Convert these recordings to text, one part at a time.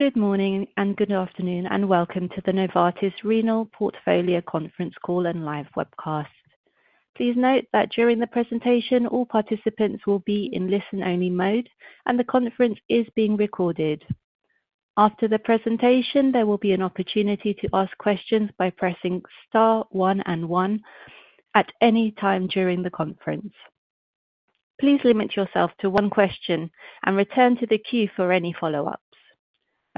Good morning and good afternoon, and welcome to the Novartis Renal Portfolio Conference Call and live webcast. Please note that during the presentation, all participants will be in listen-only mode and the conference is being recorded. After the presentation, there will be an opportunity to ask questions by pressing star one and one at any time during the conference. Please limit yourself to one question and return to the queue for any follow-ups. A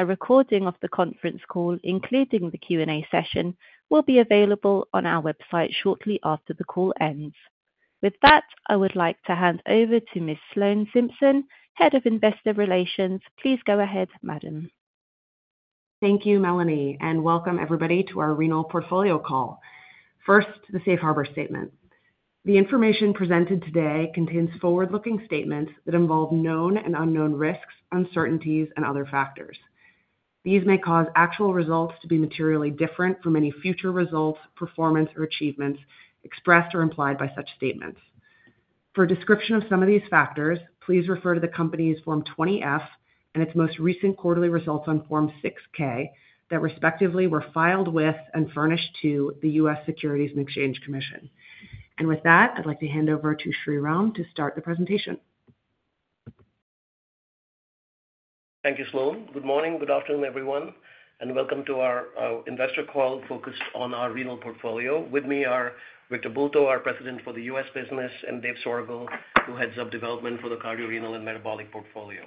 recording of the conference call, including the Q&A session, will be available on our website shortly after the call ends. With that, I would like to hand over to Ms. Sloan Simpson, Head of Investor Relations. Please go ahead, madam. Thank you, Melanie, and welcome everybody to our renal portfolio call. First, the safe harbor statement. The information presented today contains forward-looking statements that involve known and unknown risks, uncertainties and other factors. These may cause actual results to be materially different from any future results, performance or achievements expressed or implied by such statements. For a description of some of these factors, please refer to the company's Form 20-F and its most recent quarterly results on Form 6-K that respectively were filed with and furnished to the U.S. Securities and Exchange Commission. And with that, I'd like to hand over to Shreeram to start the presentation. Thank you, Sloan. Good morning. Good afternoon, everyone, and welcome to our investor call focused on our renal portfolio. With me are Victor Bulto, our President for the US Business, and Dave Soergel, who heads up development for the cardiorenal and metabolic portfolio.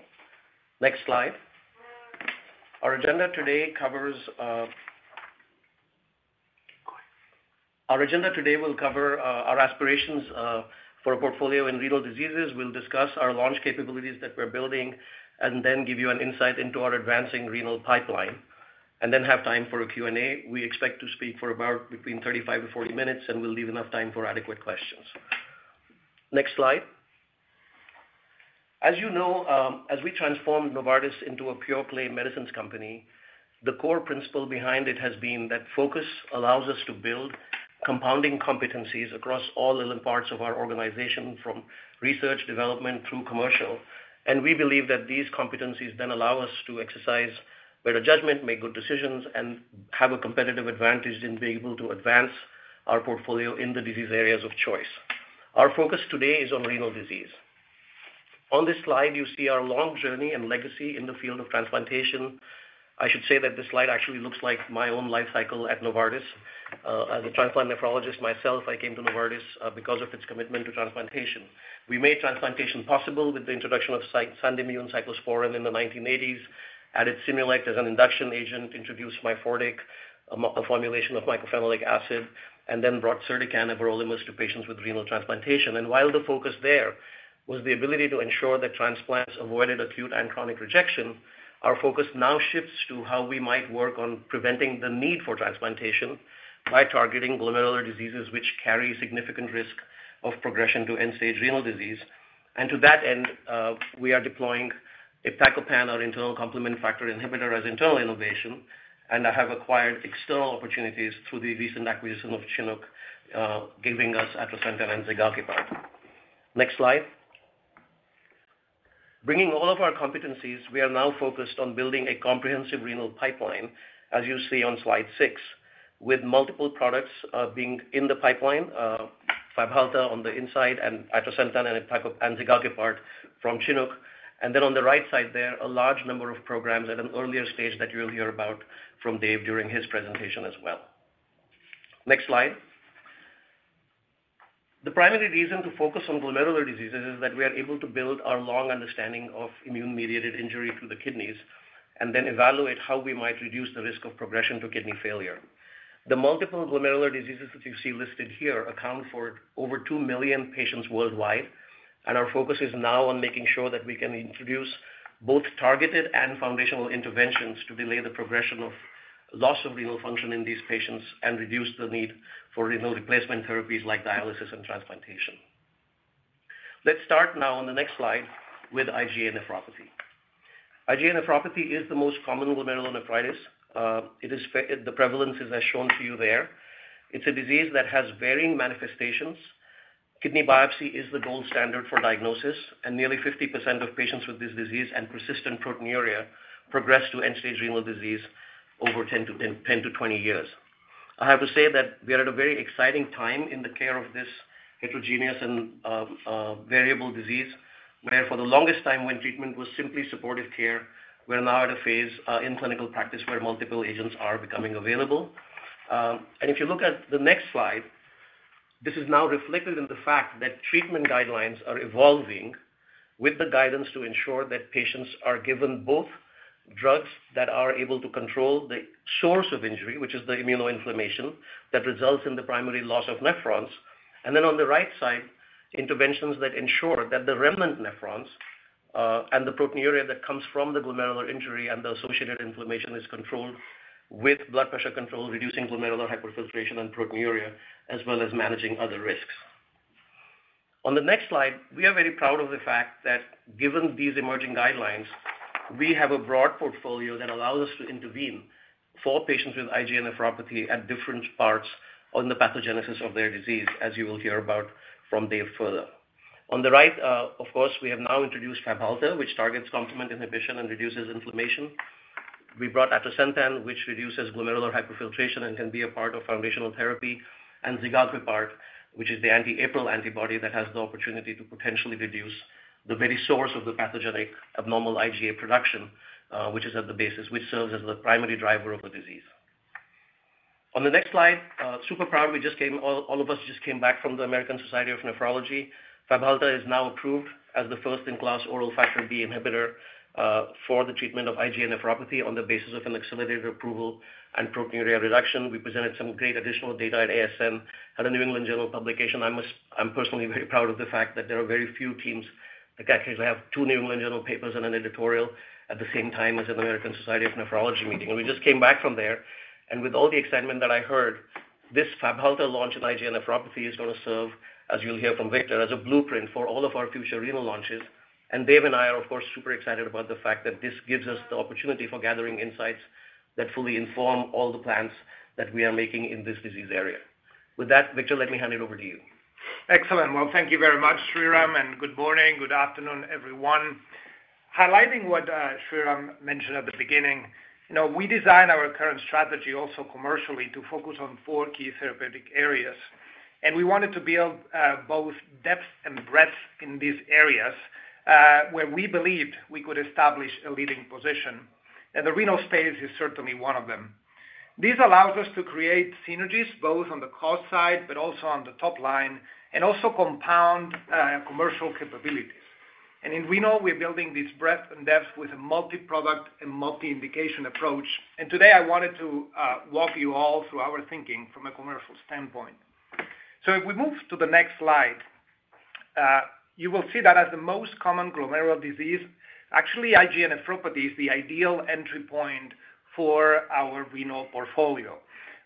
Next slide. Our agenda today will cover our aspirations for a portfolio in renal diseases. We'll discuss our launch capabilities that we're building and then give you an insight into our advancing renal pipeline, and then have time for a Q&A. We expect to speak for about between 35 to 40 minutes, and we'll leave enough time for adequate questions. Next slide. As you know, as we transform Novartis into a pure-play medicines company, the core principle behind it has been that focus allows us to build compounding competencies across all parts of our organization, from research, development through commercial. And we believe that these competencies then allow us to exercise better judgment, make good decisions, and have a competitive advantage in being able to advance our portfolio in the disease areas of choice. Our focus today is on renal disease. On this slide, you see our long journey and legacy in the field of transplantation. I should say that this slide actually looks like my own life cycle at Novartis. As a transplant nephrologist myself, I came to Novartis, because of its commitment to transplantation. We made transplantation possible with the introduction of Sandimmune cyclosporine in the 1980s, added Simulect as an induction agent, introduced Myfortic, a formulation of mycophenolic acid, and then brought Certican and everolimus to patients with renal transplantation. And while the focus there was the ability to ensure that transplants avoided acute and chronic rejection, our focus now shifts to how we might work on preventing the need for transplantation by targeting glomerular diseases, which carry significant risk of progression to end-stage renal disease. And to that end, we are deploying iptacopan, our internal complement factor inhibitor, as internal innovation, and I have acquired external opportunities through the recent acquisition of Chinook, giving us atrasentan and zigakibart. Next slide. Bringing all of our competencies, we are now focused on building a comprehensive renal pipeline, as you see on slide six, with multiple products, being in the pipeline, Fabhalta on the inside and atrasentan and iptacopan and zigakibart from Chinook. And then on the right side there, a large number of programs at an earlier stage that you'll hear about from Dave during his presentation as well. Next slide. The primary reason to focus on glomerular diseases is that we are able to build our long understanding of immune-mediated injury to the kidneys and then evaluate how we might reduce the risk of progression to kidney failure. The multiple glomerular diseases that you see listed here account for over two million patients worldwide, and our focus is now on making sure that we can introduce both targeted and foundational interventions to delay the progression of loss of renal function in these patients and reduce the need for renal replacement therapies like dialysis and transplantation. Let's start now on the next slide with IgA nephropathy. IgA nephropathy is the most common glomerulonephritis. The prevalence is as shown to you there. It's a disease that has varying manifestations. Kidney biopsy is the gold standard for diagnosis, and nearly 50% of patients with this disease and persistent proteinuria progress to end-stage renal disease over 10 to 20 years. I have to say that we are at a very exciting time in the care of this heterogeneous and variable disease, where for the longest time when treatment was simply supportive care, we're now at a phase in clinical practice where multiple agents are becoming available. And if you look at the next slide, this is now reflected in the fact that treatment guidelines are evolving with the guidance to ensure that patients are given both drugs that are able to control the source of injury, which is the immunoinflammation that results in the primary loss of nephrons. And then on the right side, interventions that ensure that the remnant nephrons and the proteinuria that comes from the glomerular injury and the associated inflammation is controlled with blood pressure control, reducing glomerular hyperfiltration and proteinuria, as well as managing other risks. On the next slide, we are very proud of the fact that given these emerging guidelines, we have a broad portfolio that allows us to intervene for patients with IgA nephropathy at different parts on the pathogenesis of their disease, as you will hear about from Dave further. On the right, of course, we have now introduced Fabhalta, which targets complement inhibition and reduces inflammation. We brought atrasentan, which reduces glomerular hyperfiltration and can be a part of foundational therapy, and zigakibart, which is the anti-APRIL antibody that has the opportunity to potentially reduce the very source of the pathogenic abnormal IgA production, which is at the basis, which serves as the primary driver of the disease. On the next slide, super proud, all of us just came back from the American Society of Nephrology. Fabhalta is now approved as the first-in-class oral Factor B inhibitor for the treatment of IgA nephropathy on the basis of an accelerated approval and proteinuria reduction. We presented some great additional data at ASN and a New England Journal publication. I'm personally very proud of the fact that there are very few teams that actually have two New England Journal papers and an editorial at the same time as an American Society of Nephrology meeting, and we just came back from there, and with all the excitement that I heard, this Fabhalta launch in IgA nephropathy is going to serve, as you'll hear from Victor, as a blueprint for all of our future renal launches. Dave and I are, of course, super excited about the fact that this gives us the opportunity for gathering insights that fully inform all the plans that we are making in this disease area. With that, Victor, let me hand it over to you. Excellent. Well, thank you very much, Shreeram, and good morning, good afternoon, everyone. Highlighting what Shreeram mentioned at the beginning, you know, we designed our current strategy also commercially to focus on four key therapeutic areas, and we wanted to build both depth and breadth in these areas where we believed we could establish a leading position, and the renal space is certainly one of them. This allows us to create synergies, both on the cost side, but also on the top line, and also compound commercial capabilities. And in renal, we're building this breadth and depth with a multi-product and multi-indication approach. And today I wanted to walk you all through our thinking from a commercial standpoint. So if we move to the next slide, you will see that as the most common glomerular disease, actually, IgA nephropathy is the ideal entry point for our renal portfolio.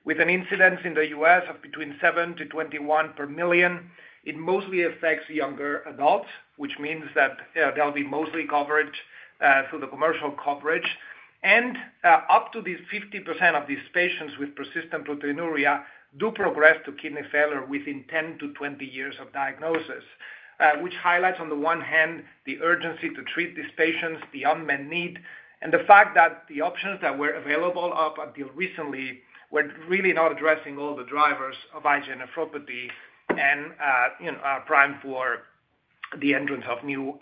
With an incidence in the U.S. of between seven to twenty-one per million, it mostly affects younger adults, which means that, they'll be mostly covered through the commercial coverage, and up to 50% of these patients with persistent proteinuria do progress to kidney failure within 10 to 20 years of diagnosis, which highlights, on the one hand, the urgency to treat these patients, the unmet need, and the fact that the options that were available up until recently were really not addressing all the drivers of IgA nephropathy and, you know, are prime for the entrance of new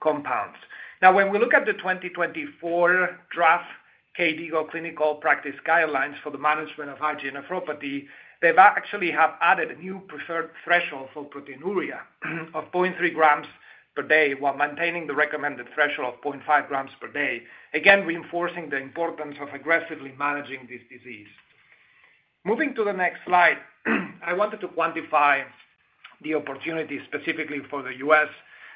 compounds. Now, when we look at the 2024 draft KDIGO clinical practice guidelines for the management of IgA nephropathy, they've actually have added a new preferred threshold for proteinuria of 0.3 grams per day, while maintaining the recommended threshold of 0.5 grams per day. Again, reinforcing the importance of aggressively managing this disease. Moving to the next slide, I wanted to quantify the opportunity specifically for the U.S.,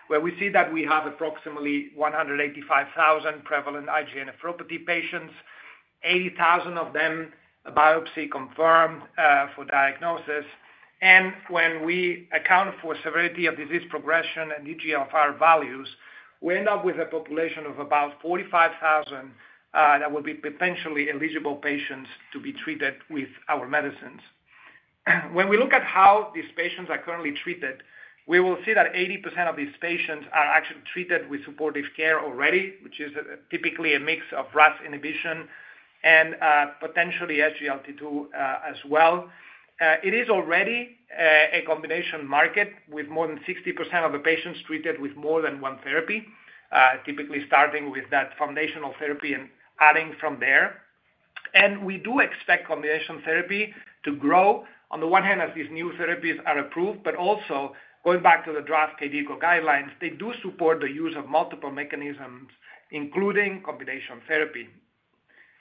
where we see that we have approximately 185,000 prevalent IgA nephropathy patients, 80,000 of them, biopsy confirmed, for diagnosis. And when we account for severity of disease progression and eGFR values, we end up with a population of about 45,000, that will be potentially eligible patients to be treated with our medicines. When we look at how these patients are currently treated, we will see that 80% of these patients are actually treated with supportive care already, which is typically a mix of RAS inhibition and potentially SGLT2 as well. It is already a combination market with more than 60% of the patients treated with more than one therapy, typically starting with that foundational therapy and adding from there, and we do expect combination therapy to grow on the one hand, as these new therapies are approved, but also going back to the draft KDIGO guidelines, they do support the use of multiple mechanisms, including combination therapy.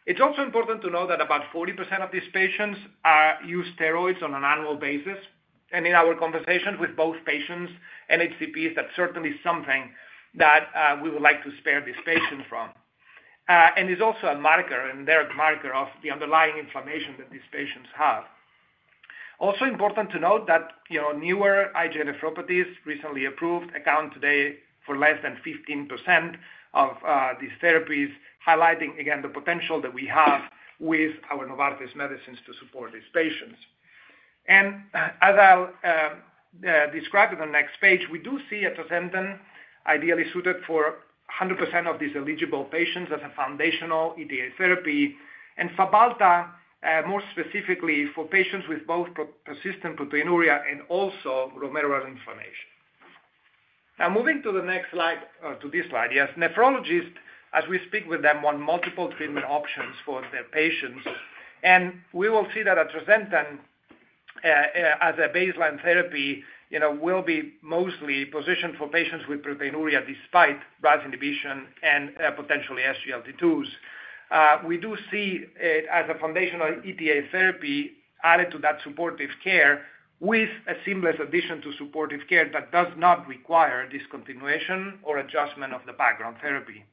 It's also important to know that about 40% of these patients use steroids on an annual basis. In our conversations with both patients and HCPs, that's certainly something that we would like to spare these patients from. And it's also a marker, a direct marker of the underlying inflammation that these patients have. Also important to note that, you know, newer IgA nephropathies, recently approved, account today for less than 15% of these therapies, highlighting, again, the potential that we have with our Novartis medicines to support these patients. And, as I'll describe on the next page, we do see atrasentan ideally suited for 100% of these eligible patients as a foundational ERA therapy, and Fabhalta more specifically for patients with both persistent proteinuria and also glomerular inflammation. Now, moving to the next slide. Nephrologists, as we speak with them, want multiple treatment options for their patients, and we will see that atrasentan, as a baseline therapy, you know, will be mostly positioned for patients with proteinuria, despite RAS inhibition and, potentially SGLT2s. We do see it as a foundational ERA therapy added to that supportive care with a seamless addition to supportive care that does not require discontinuation or adjustment of the background therapy.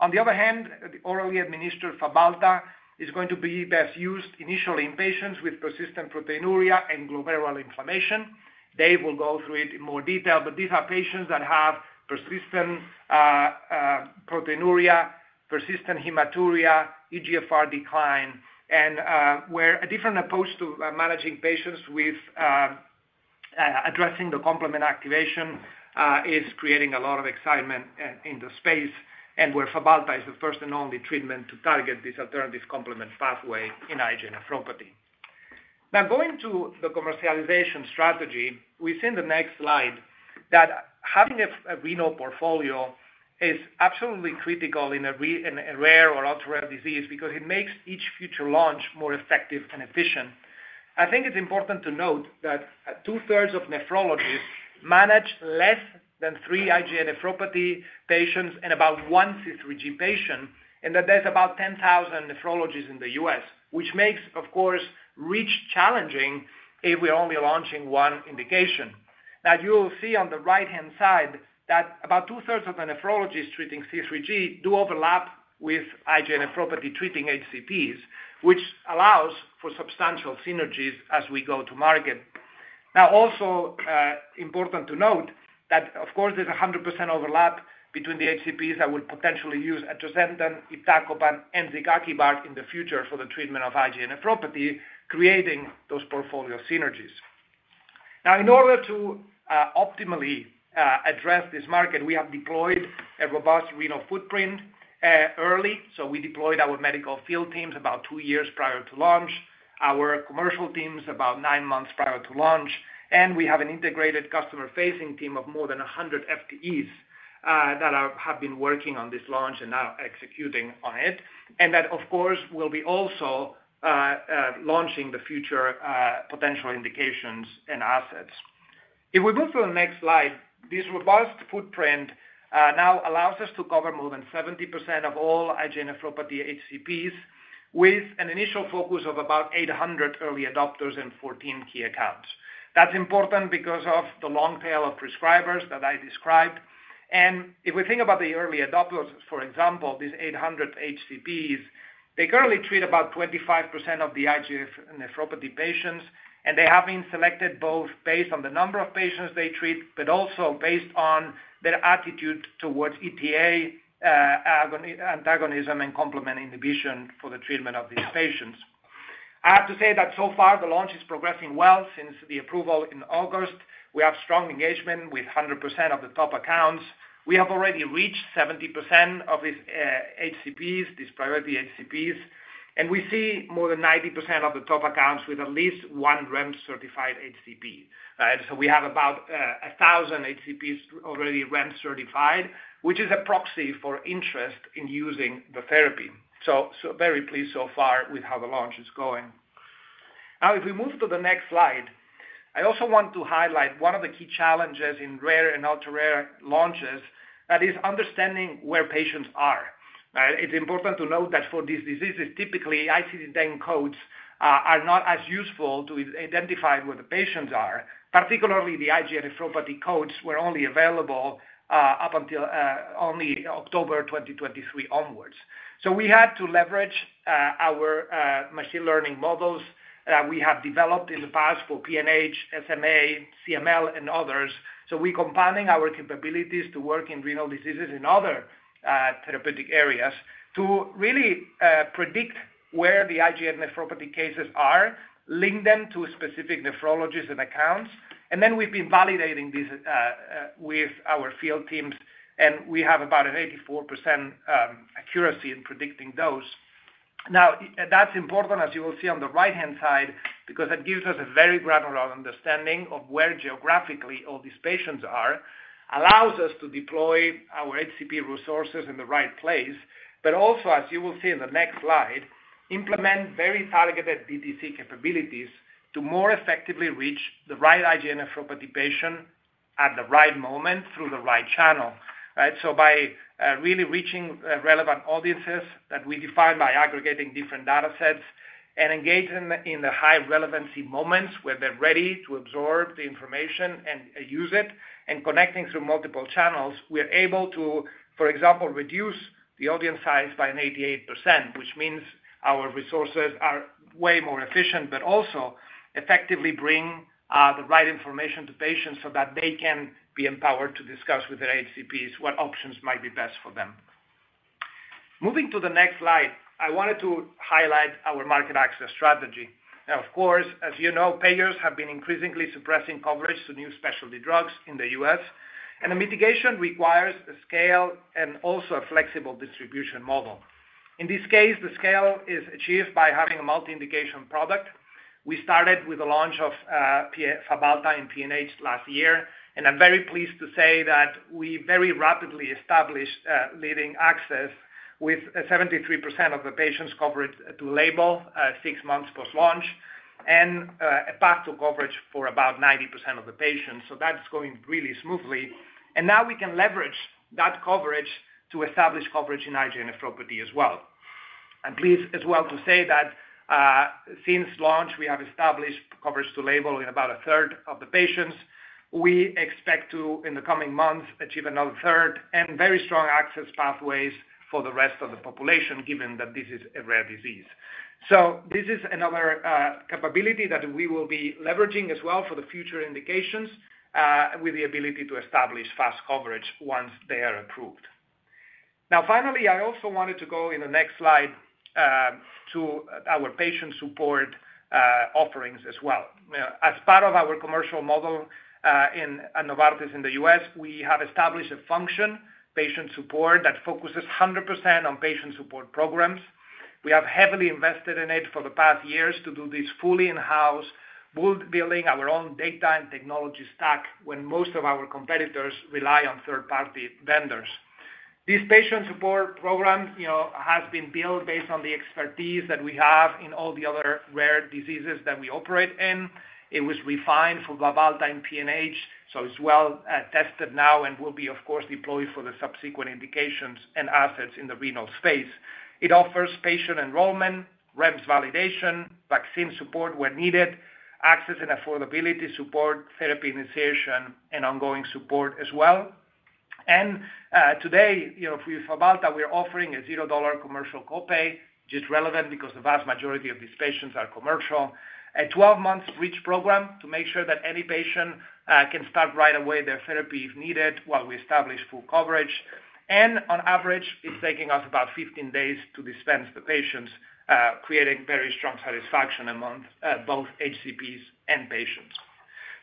On the other hand, the orally administered Fabhalta is going to be best used initially in patients with persistent proteinuria and glomerular inflammation. Dave will go through it in more detail, but these are patients that have persistent proteinuria... persistent hematuria, eGFR decline, and where a different approach to managing patients with addressing the complement activation is creating a lot of excitement in the space, and where Fabhalta is the first and only treatment to target this alternative complement pathway in IgA nephropathy. Now, going to the commercialization strategy, we see in the next slide that having a renal portfolio is absolutely critical in rare or ultra-rare disease because it makes each future launch more effective and efficient. I think it's important to note that two-thirds of nephrologists manage less than three IgA nephropathy patients and about one C3G patient, and that there's about 10,000 nephrologists in the U.S., which makes, of course, reach challenging if we're only launching one indication. Now, you will see on the right-hand side that about two-thirds of the nephrologists treating C3G do overlap with IgA nephropathy-treating HCPs, which allows for substantial synergies as we go to market. Now, also, important to note that, of course, there's 100% overlap between the HCPs that would potentially use atrasentan, iptacopan, and zigakibart in the future for the treatment of IgA nephropathy, creating those portfolio synergies. Now, in order to optimally address this market, we have deployed a robust renal footprint early. So we deployed our medical field teams about two years prior to launch, our commercial teams about nine months prior to launch, and we have an integrated customer-facing team of more than 100 FTEs that have been working on this launch and now executing on it. That, of course, will be also launching the future potential indications and assets. If we move to the next slide, this robust footprint now allows us to cover more than 70% of all IgA nephropathy HCPs, with an initial focus of about 800 early adopters and 14 key accounts. That's important because of the long tail of prescribers that I described. If we think about the early adopters, for example, these 800 HCPs, they currently treat about 25% of the IgA nephropathy patients, and they have been selected both based on the number of patients they treat, but also based on their attitude towards ETA antagonism and complement inhibition for the treatment of these patients. I have to say that so far, the launch is progressing well since the approval in August. We have strong engagement with 100% of the top accounts. We have already reached 70% of these HCPs, these priority HCPs, and we see more than 90% of the top accounts with at least one REMS-certified HCP. So we have about 1,000 HCPs already REMS-certified, which is a proxy for interest in using the therapy. So very pleased so far with how the launch is going. Now, if we move to the next slide, I also want to highlight one of the key challenges in rare and ultra-rare launches, that is understanding where patients are. It's important to note that for these diseases, typically, ICD-10 codes are not as useful to identify where the patients are. Particularly, the IgA nephropathy codes were only available up until only October 2023 onwards. We had to leverage our machine learning models that we have developed in the past for PNH, SMA, CML, and others. We're combining our capabilities to work in renal diseases and other therapeutic areas, to really predict where the IgA nephropathy cases are, link them to specific nephrologists and accounts, and then we've been validating this with our field teams, and we have about an 84% accuracy in predicting those. Now, that's important, as you will see on the right-hand side, because it gives us a very granular understanding of where geographically all these patients are, allows us to deploy our HCP resources in the right place, but also, as you will see in the next slide, implement very targeted DTC capabilities to more effectively reach the right IgA nephropathy patient at the right moment through the right channel, right? By really reaching relevant audiences that we define by aggregating different data sets and engaging in the high relevancy moments where they're ready to absorb the information and, and use it, and connecting through multiple channels, we're able to, for example, reduce the audience size by 88%, which means our resources are way more efficient, but also effectively bring the right information to patients so that they can be empowered to discuss with their HCPs what options might be best for them. Moving to the next slide, I wanted to highlight our market access strategy. Now, of course, as you know, payers have been increasingly suppressing coverage to new specialty drugs in the U.S., and the mitigation requires a scale and also a flexible distribution model. In this case, the scale is achieved by having a multi-indication product. We started with the launch of Fabhalta and PNH last year, and I'm very pleased to say that we very rapidly established leading access with 73% of the patients covered to label six months post-launch, and a path to coverage for about 90% of the patients. So that's going really smoothly. And now we can leverage that coverage to establish coverage in IgA nephropathy as well. I'm pleased as well to say that since launch, we have established coverage to label in about a third of the patients. We expect to, in the coming months, achieve another third and very strong access pathways for the rest of the population, given that this is a rare disease.... So this is another capability that we will be leveraging as well for the future indications with the ability to establish fast coverage once they are approved. Now, finally, I also wanted to go in the next slide to our patient support offerings as well. As part of our commercial model in at Novartis in the U.S., we have established a function, patient support, that focuses 100% on patient support programs. We have heavily invested in it for the past years to do this fully in-house, building our own data and technology stack, when most of our competitors rely on third-party vendors. This patient support program, you know, has been built based on the expertise that we have in all the other rare diseases that we operate in. It was refined for Fabhalta and PNH, so it's well tested now and will be, of course, deployed for the subsequent indications and assets in the renal space. It offers patient enrollment, REMS validation, vaccine support where needed, access and affordability support, therapy initiation, and ongoing support as well. And today, you know, with Fabhalta, we are offering a $0 commercial copay, which is relevant because the vast majority of these patients are commercial. A twelve-month reach program to make sure that any patient can start right away their therapy if needed, while we establish full coverage. And on average, it's taking us about 15 days to dispense the patients, creating very strong satisfaction among both HCPs and patients.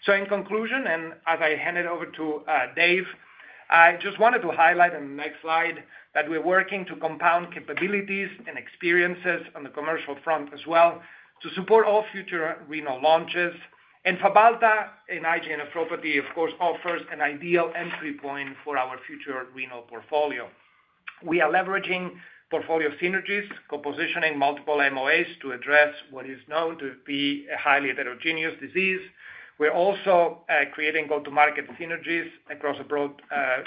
So in conclusion, and as I hand it over to, Dave, I just wanted to highlight on the next slide, that we're working to compound capabilities and experiences on the commercial front as well, to support all future renal launches. And Fabhalta, in IgA nephropathy, of course, offers an ideal entry point for our future renal portfolio. We are leveraging portfolio synergies, co-positioning multiple MOAs to address what is known to be a highly heterogeneous disease. We're also creating go-to-market synergies across a broad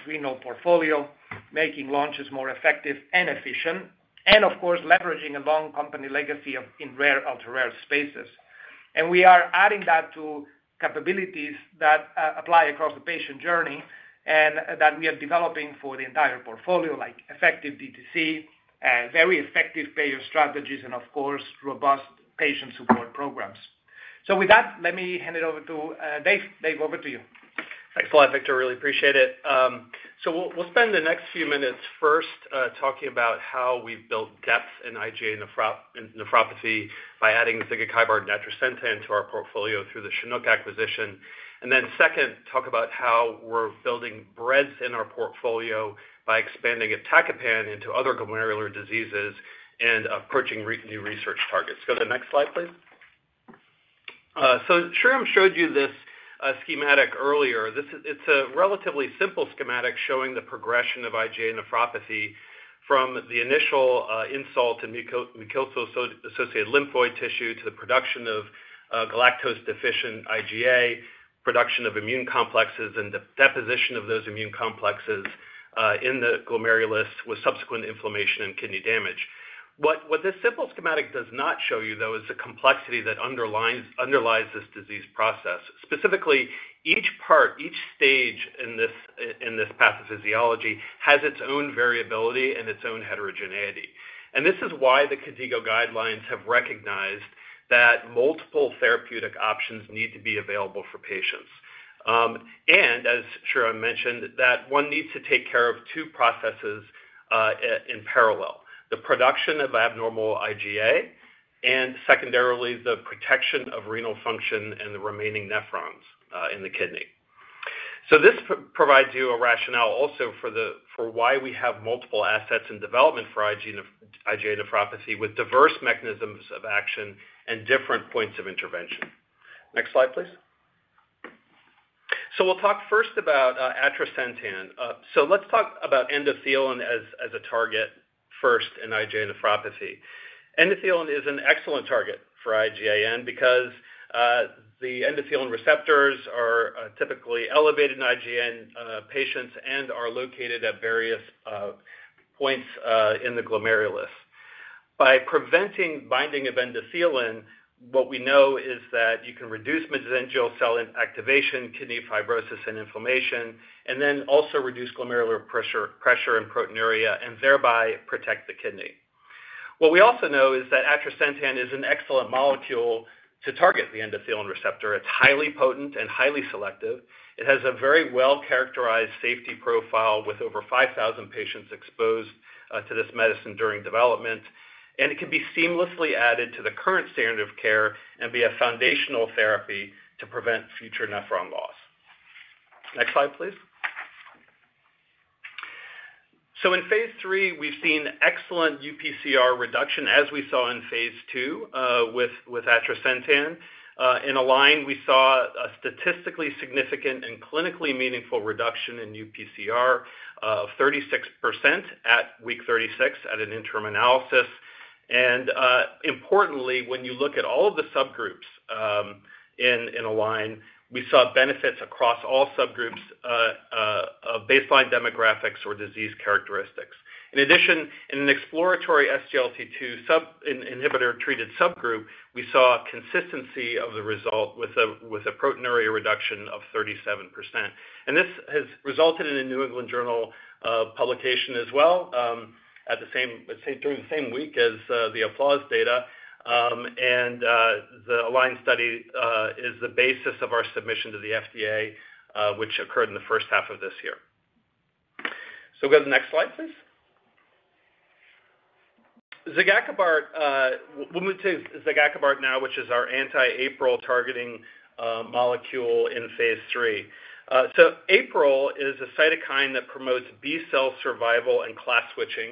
renal portfolio, making launches more effective and efficient, and of course, leveraging a long company legacy in rare, ultra-rare spaces. And we are adding that to capabilities that apply across the patient journey and that we are developing for the entire portfolio, like effective DTC, very effective payer strategies, and of course, robust patient support programs. So with that, let me hand it over to Dave. Dave, over to you. Thanks a lot, Victor. Really appreciate it. So we'll spend the next few minutes first talking about how we've built depth in IgA nephropathy by adding zigakibart and atrasentan to our portfolio through the Chinook acquisition. And then second, talk about how we're building breadth in our portfolio by expanding iptacopan into other glomerular diseases and approaching new research targets. Go to the next slide, please. So Shreeram showed you this schematic earlier. This is. It's a relatively simple schematic showing the progression of IgA nephropathy from the initial insult to mucosal associated lymphoid tissue, to the production of galactose-deficient IgA, production of immune complexes, and the deposition of those immune complexes in the glomerulus, with subsequent inflammation and kidney damage. What, what this simple schematic does not show you, though, is the complexity that underlies this disease process. Specifically, each part, each stage in this in this pathophysiology has its own variability and its own heterogeneity. And this is why the KDIGO guidelines have recognized that multiple therapeutic options need to be available for patients. And as Shreeram mentioned, that one needs to take care of two processes in parallel, the production of abnormal IgA, and secondarily, the protection of renal function and the remaining nephrons in the kidney. So this provides you a rationale also for the for why we have multiple assets in development for IgA neph IgA nephropathy, with diverse mechanisms of action and different points of intervention. Next slide, please. So we'll talk first about atrasentan. So let's talk about endothelin as a target first in IgA nephropathy. Endothelin is an excellent target for IgAN because the endothelin receptors are typically elevated in IgAN patients and are located at various points in the glomerulus. By preventing binding of endothelin, what we know is that you can reduce mesangial cell activation, kidney fibrosis, and inflammation, and then also reduce glomerular pressure and proteinuria, and thereby protect the kidney. What we also know is that atrasentan is an excellent molecule to target the endothelin receptor. It's highly potent and highly selective. It has a very well-characterized safety profile with over five thousand patients exposed to this medicine during development. And it can be seamlessly added to the current standard of care and be a foundational therapy to prevent future nephron loss. Next slide, please. In phase 3, we've seen excellent UPCR reduction, as we saw in phase 2, with atrasentan. In ALIGN, we saw a statistically significant and clinically meaningful reduction in UPCR of 36% at week 36 at an interim analysis. Importantly, when you look at all of the subgroups in ALIGN, we saw benefits across all subgroups of baseline demographics or disease characteristics. In addition, in an exploratory SGLT2 inhibitor-treated subgroup, we saw consistency of the result with a proteinuria reduction of 37%. This has resulted in a New England Journal of Medicine publication as well during the same week as the APPLAUSE data. And the ALIGN study is the basis of our submission to the FDA, which occurred in the first half of this year. So go to the next slide, please. Zigakibart, we'll move to zigakibart now, which is our anti-APRIL targeting molecule in phase 3. So APRIL is a cytokine that promotes B-cell survival and class switching,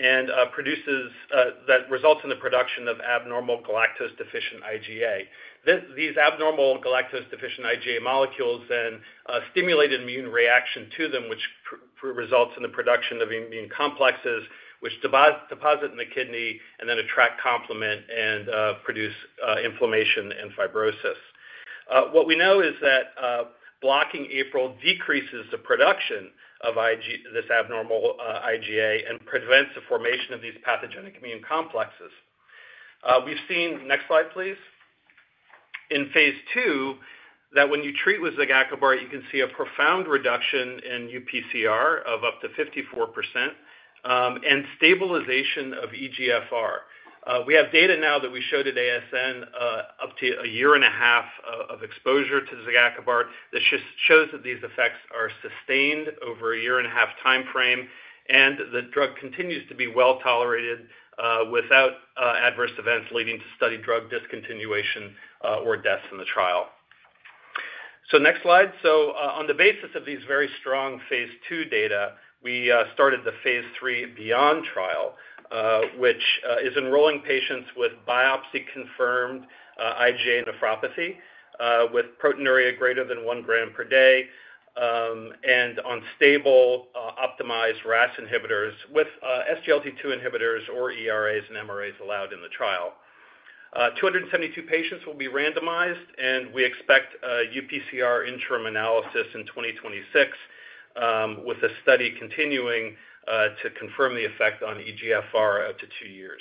and produces that results in the production of abnormal galactose-deficient IgA. These abnormal galactose-deficient IgA molecules then stimulate immune reaction to them, which results in the production of immune complexes, which deposit in the kidney and then attract complement and produce inflammation and fibrosis. What we know is that blocking APRIL decreases the production of this abnormal IgA and prevents the formation of these pathogenic immune complexes. We've seen... Next slide, please. In phase 2, that when you treat with zigakibart, you can see a profound reduction in UPCR of up to 54%, and stabilization of eGFR. We have data now that we showed at ASN, up to a year and a half of exposure to zigakibart. This just shows that these effects are sustained over a year-and-a-half timeframe, and the drug continues to be well tolerated, without adverse events leading to study drug discontinuation, or deaths in the trial. So next slide. So, on the basis of these very strong phase 2 data, we started the phase 3 BEYOND trial, which is enrolling patients with biopsy-confirmed IgA nephropathy, with proteinuria greater than one gram per day, and on stable optimized RAS inhibitors with SGLT2 inhibitors or ERAs and MRAs allowed in the trial. Two hundred and seventy-two patients will be randomized, and we expect a UPCR interim analysis in 2026, with the study continuing to confirm the effect on eGFR out to two years.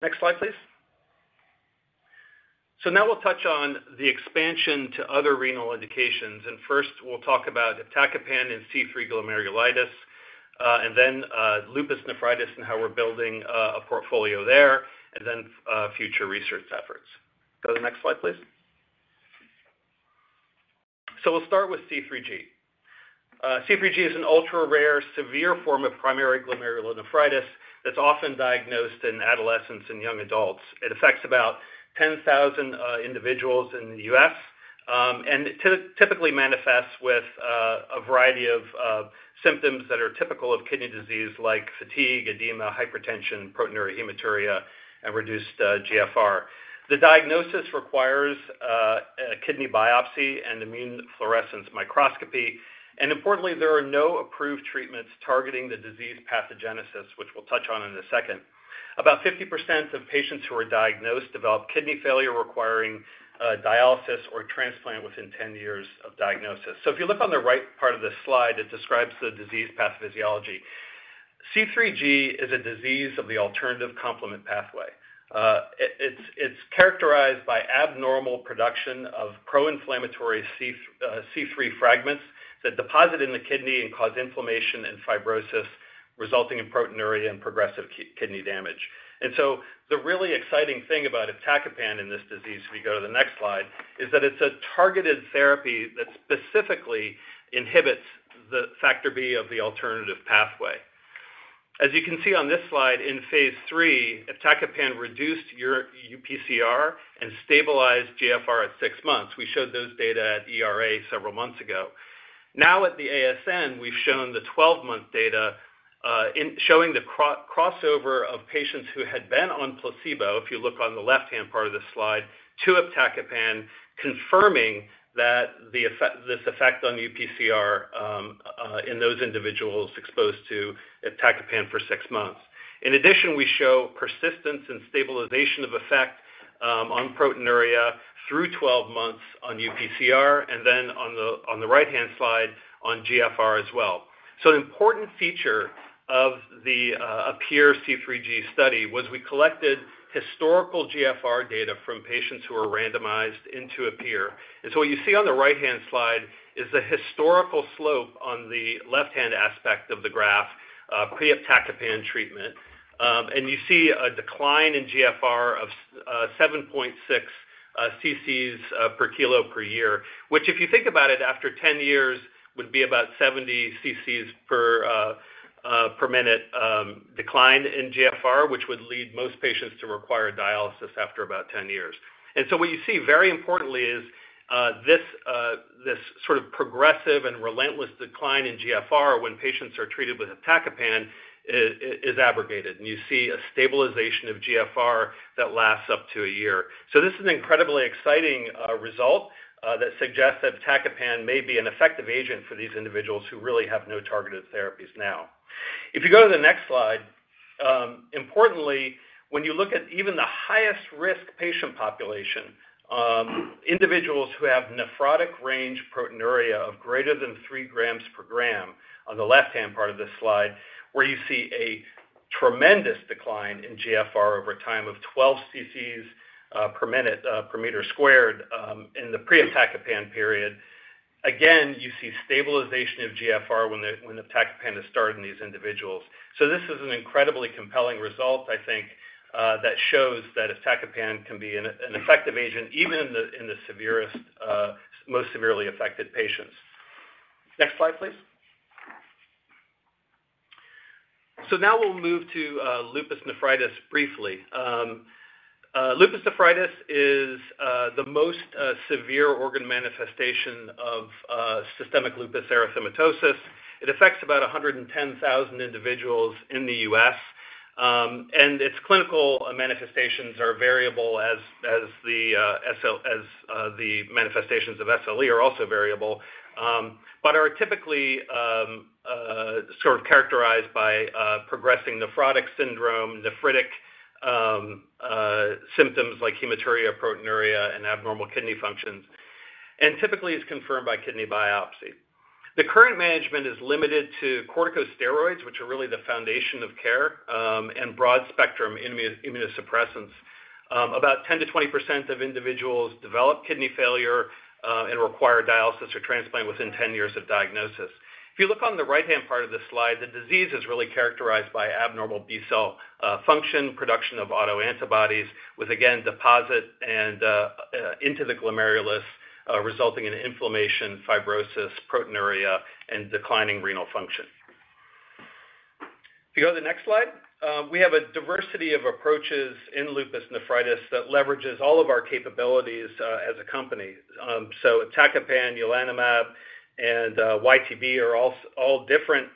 Next slide, please. So now we'll touch on the expansion to other renal indications, and first, we'll talk about iptacopan and C3 glomerulopathy, and then, lupus nephritis and how we're building a portfolio there, and then, future research efforts. Go to the next slide, please. So we'll start with C3G. C3G is an ultra-rare, severe form of primary glomerulonephritis that's often diagnosed in adolescents and young adults. It affects about ten thousand individuals in the US, and it typically manifests with a variety of symptoms that are typical of kidney disease, like fatigue, edema, hypertension, proteinuria, hematuria, and reduced GFR. The diagnosis requires a kidney biopsy and immunofluorescence microscopy, and importantly, there are no approved treatments targeting the disease pathogenesis, which we'll touch on in a second. About 50% of patients who are diagnosed develop kidney failure, requiring dialysis or transplant within 10 years of diagnosis. So if you look on the right part of this slide, it describes the disease pathophysiology. C3G is a disease of the alternative complement pathway. It's characterized by abnormal production of proinflammatory C3 fragments that deposit in the kidney and cause inflammation and fibrosis, resulting in proteinuria and progressive kidney damage. And so the really exciting thing about iptacopan in this disease, if we go to the next slide, is that it's a targeted therapy that specifically inhibits the Factor B of the alternative pathway. As you can see on this slide, in phase 3, iptacopan reduced your UPCR and stabilized GFR at six months. We showed those data at ERA several months ago. Now at the ASN, we've shown the 12-month data in showing the crossover of patients who had been on placebo, if you look on the left-hand part of this slide, to iptacopan, confirming that the effect, this effect on UPCR in those individuals exposed to iptacopan for six months. In addition, we show persistence and stabilization of effect on proteinuria through 12 months on UPCR, and then on the right-hand side, on GFR as well. An important feature of the APPEAR-C3G study was we collected historical GFR data from patients who were randomized into APPEAR. And so what you see on the right-hand slide is the historical slope on the left-hand aspect of the graph pre-iptacopan treatment. And you see a decline in GFR of 7.6 cc per kilo per year, which, if you think about it, after 10 years, would be about 70 cc per minute decline in GFR, which would lead most patients to require dialysis after about 10 years. And so what you see, very importantly, is this sort of progressive and relentless decline in GFR when patients are treated with iptacopan is abrogated, and you see a stabilization of GFR that lasts up to a year. So this is an incredibly exciting result that suggests that iptacopan may be an effective agent for these individuals who really have no targeted therapies now. If you go to the next slide, importantly, when you look at even the highest-risk patient population, individuals who have nephrotic range proteinuria of greater than three grams per gram, on the left-hand part of this slide, where you see a tremendous decline in GFR over time of twelve cc's per minute per meter squared in the pre-iptacopan period. Again, you see stabilization of GFR when iptacopan is started in these individuals. So this is an incredibly compelling result, I think, that shows that iptacopan can be an effective agent, even in the severest, most severely affected patients. Next slide, please. Now we'll move to lupus nephritis briefly. Lupus nephritis is the most severe organ manifestation of systemic lupus erythematosus. It affects about 110,000 individuals in the US, and its clinical manifestations are variable as the manifestations of SLE are also variable. But are typically sort of characterized by progressing nephrotic syndrome, nephritic symptoms like hematuria, proteinuria, and abnormal kidney functions, and typically is confirmed by kidney biopsy. The current management is limited to corticosteroids, which are really the foundation of care, and broad-spectrum immunosuppressants. About 10% to 20% of individuals develop kidney failure and require dialysis or transplant within 10 years of diagnosis. If you look on the right-hand part of this slide, the disease is really characterized by abnormal B-cell function, production of autoantibodies, with again, deposition into the glomerulus, resulting in inflammation, fibrosis, proteinuria, and declining renal function. If you go to the next slide. We have a diversity of approaches in lupus nephritis that leverages all of our capabilities as a company. So iptacopan, ianalumab, and YTB are all different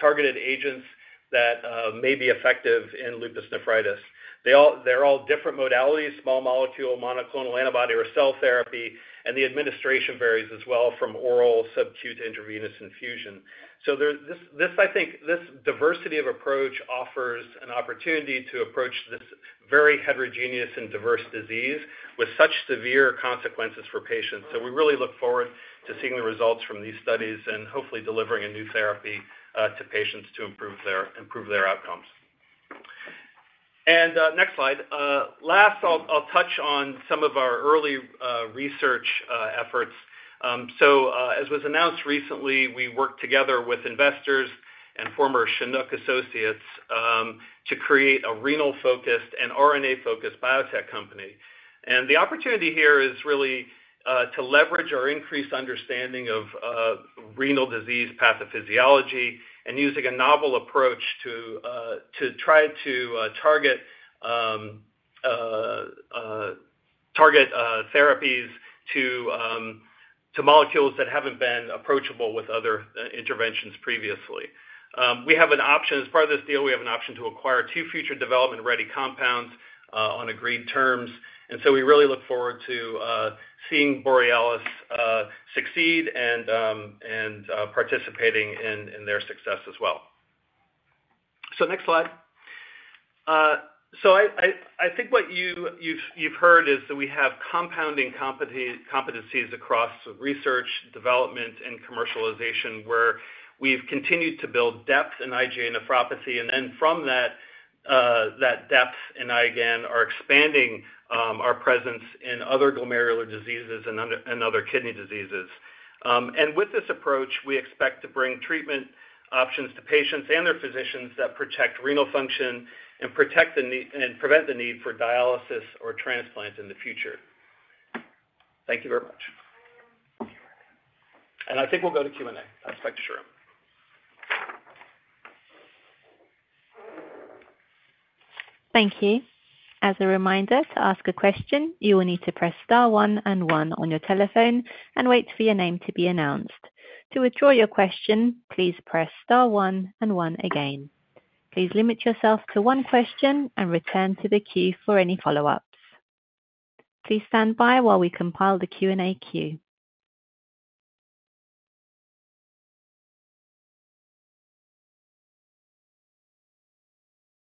targeted agents that may be effective in lupus nephritis. They're all different modalities, small molecule, monoclonal antibody, or cell therapy, and the administration varies as well from oral, subcutaneous, intravenous infusion. So there, this, this I think, this diversity of approach offers an opportunity to approach this very heterogeneous and diverse disease with such severe consequences for patients. So we really look forward to seeing the results from these studies and hopefully delivering a new therapy to patients to improve their outcomes. Next slide. Lastly, I'll touch on some of our early research efforts. As was announced recently, we worked together with investors and former Chinook associates to create a renal-focused and RNA-focused biotech company. The opportunity here is really to leverage our increased understanding of renal disease pathophysiology, and using a novel approach to try to target therapies to molecules that haven't been approachable with other interventions previously. We have an option. As part of this deal, we have an option to acquire two future development-ready compounds on agreed terms, and so we really look forward to seeing Borealis succeed and participating in their success as well. Next slide. So I think what you've heard is that we have compounding competencies across research, development, and commercialization, where we've continued to build depth in IgA nephropathy, and then from that, that depth in IgAN, are expanding our presence in other glomerular diseases and other kidney diseases. And with this approach, we expect to bring treatment options to patients and their physicians that protect renal function and prevent the need for dialysis or transplant in the future. Thank you very much. And I think we'll go to Q&A. I expect sure. Thank you. As a reminder, to ask a question, you will need to press star one and one on your telephone and wait for your name to be announced. To withdraw your question, please press star one and one again. Please limit yourself to one question and return to the queue for any follow-ups. Please stand by while we compile the Q&A queue.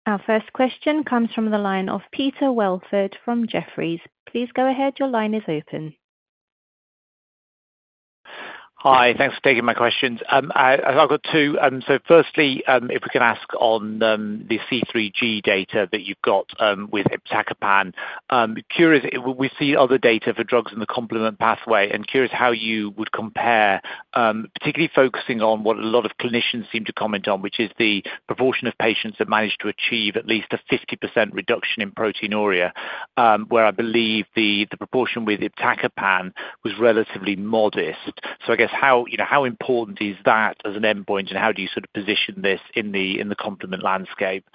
Our first question comes from the line of Peter Welford from Jefferies. Please go ahead, your line is open. Hi, thanks for taking my questions. I've got two. Firstly, if we can ask on the C3G data that you've got with iptacopan. Curious, we see other data for drugs in the complement pathway, and curious how you would compare, particularly focusing on what a lot of clinicians seem to comment on, which is the proportion of patients that manage to achieve at least a 50% reduction in proteinuria, where I believe the proportion with iptacopan was relatively modest. So I guess how, you know, how important is that as an endpoint, and how do you sort of position this in the complement landscape?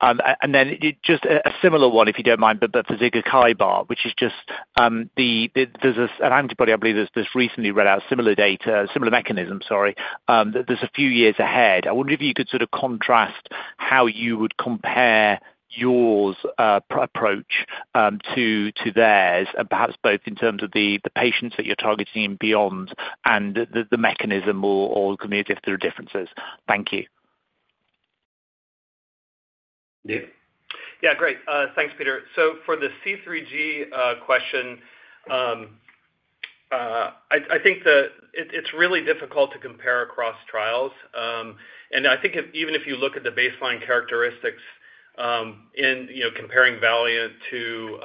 And then just a similar one, if you don't mind, but for zigakibart, which is just the... There's this antibody, I believe, that's just recently read out similar data, similar mechanism. Sorry, that's a few years ahead. I wonder if you could sort of contrast how you would compare yours, your approach to theirs, and perhaps both in terms of the patients that you're targeting and beyond, and the mechanism or compare if there are differences. Thank you. Dave? Yeah, great. Thanks, Peter. So for the C3G question, I think it's really difficult to compare across trials. And I think, even if you look at the baseline characteristics, you know, comparing VALIANT to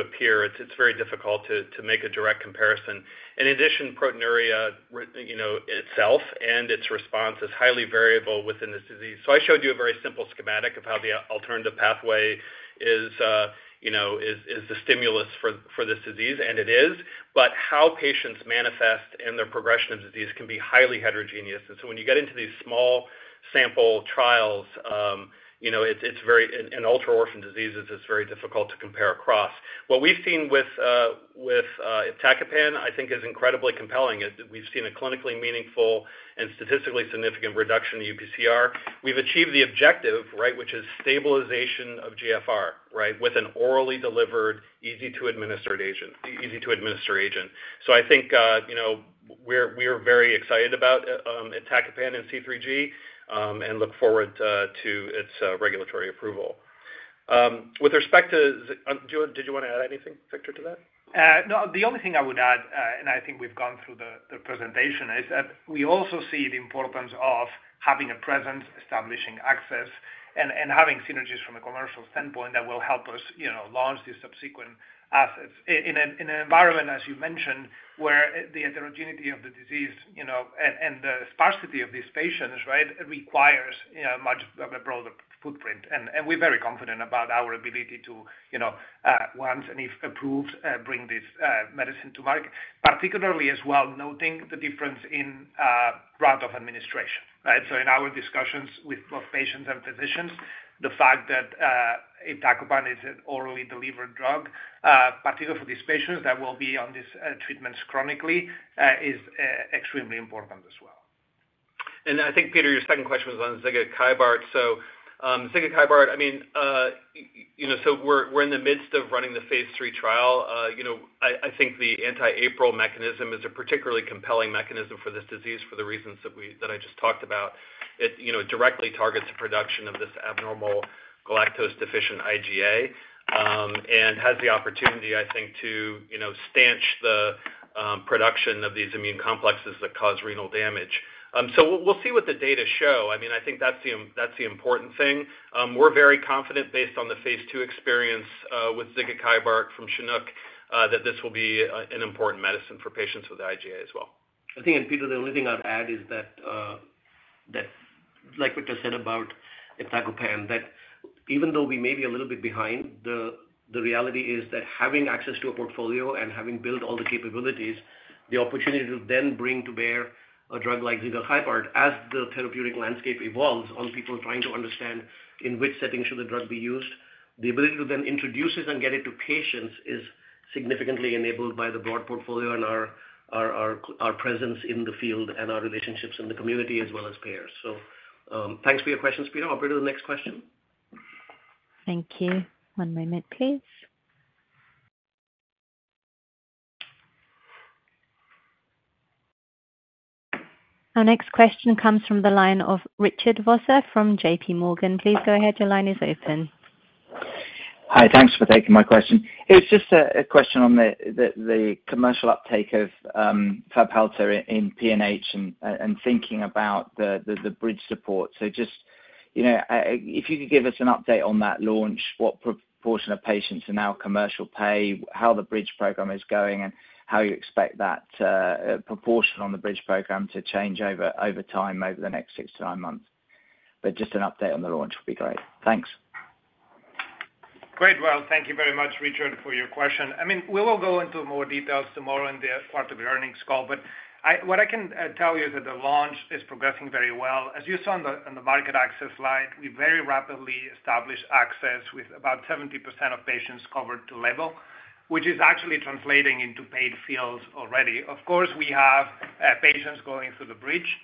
APPEAR, it's very difficult to make a direct comparison. In addition, proteinuria, you know, itself and its response is highly variable within this disease. So I showed you a very simple schematic of how the alternative pathway is, you know, the stimulus for this disease, and it is. But how patients manifest in their progression of disease can be highly heterogeneous. And so when you get into these small sample trials, you know, in ultra-orphan diseases, it's very difficult to compare across. What we've seen with iptacopan, I think is incredibly compelling, is that we've seen a clinically meaningful and statistically significant reduction in UPCR. We've achieved the objective, right? Which is stabilization of GFR, right? With an orally delivered, easy to administer agent. So I think, you know, we're very excited about iptacopan and C3G, and look forward to its regulatory approval. With respect to... Do you wanna add anything, Victor, to that? No, the only thing I would add, and I think we've gone through the presentation, is that we also see the importance of having a presence, establishing access, and having synergies from a commercial standpoint that will help us, you know, launch these subsequent assets. In an environment, as you mentioned, where the heterogeneity of the disease, you know, and the sparsity of these patients, right? Requires, you know, much of a broader footprint. And we're very confident about our ability to, you know, once and if approved, bring this medicine to market. Particularly as well, noting the difference in route of administration, right? In our discussions with both patients and physicians, the fact that iptacopan is an orally delivered drug, particularly for these patients that will be on these treatments chronically, is extremely important as well. I think, Peter, your second question was on zigakibart. I mean, you know, we're in the midst of running the phase III trial. You know, I think the anti-APRIL mechanism is a particularly compelling mechanism for this disease, for the reasons that I just talked about. It, you know, directly targets the production of this abnormal galactose-deficient IgA, and has the opportunity, I think, to, you know, stanch the production of these immune complexes that cause renal damage. We'll see what the data show. I mean, I think that's the important thing. We're very confident, based on the phase II experience, with zigakibart from Chinook, that this will be an important medicine for patients with IgA as well. I think, and Peter, the only thing I'd add is that like Victor said about iptacopan, that even though we may be a little bit behind, the reality is that having access to a portfolio and having built all the capabilities, the opportunity to then bring to bear a drug like zigakibart, as the therapeutic landscape evolves on people trying to understand in which setting should the drug be used, the ability to then introduce it and get it to patients is significantly enabled by the broad portfolio and our presence in the field and our relationships in the community, as well as payers. So, thanks for your questions, Peter. Operator, the next question? Thank you. One moment, please. Our next question comes from the line of Richard Vosser from JP Morgan. Please go ahead, your line is open. Hi, thanks for taking my question. It's just a question on the commercial uptake of Fabhalta in PNH and thinking about the bridge support. So just, you know, if you could give us an update on that launch, what proportion of patients are now commercial pay, how the bridge program is going, and how you expect that proportion on the bridge program to change over time, over the next six to nine months? But just an update on the launch would be great. Thanks. Great. Well, thank you very much, Richard, for your question. I mean, we will go into more details tomorrow in the part of the earnings call, but what I can tell you is that the launch is progressing very well. As you saw on the market access slide, we very rapidly established access with about 70% of patients covered to level, which is actually translating into paid fills already. Of course, we have patients going through the bridge,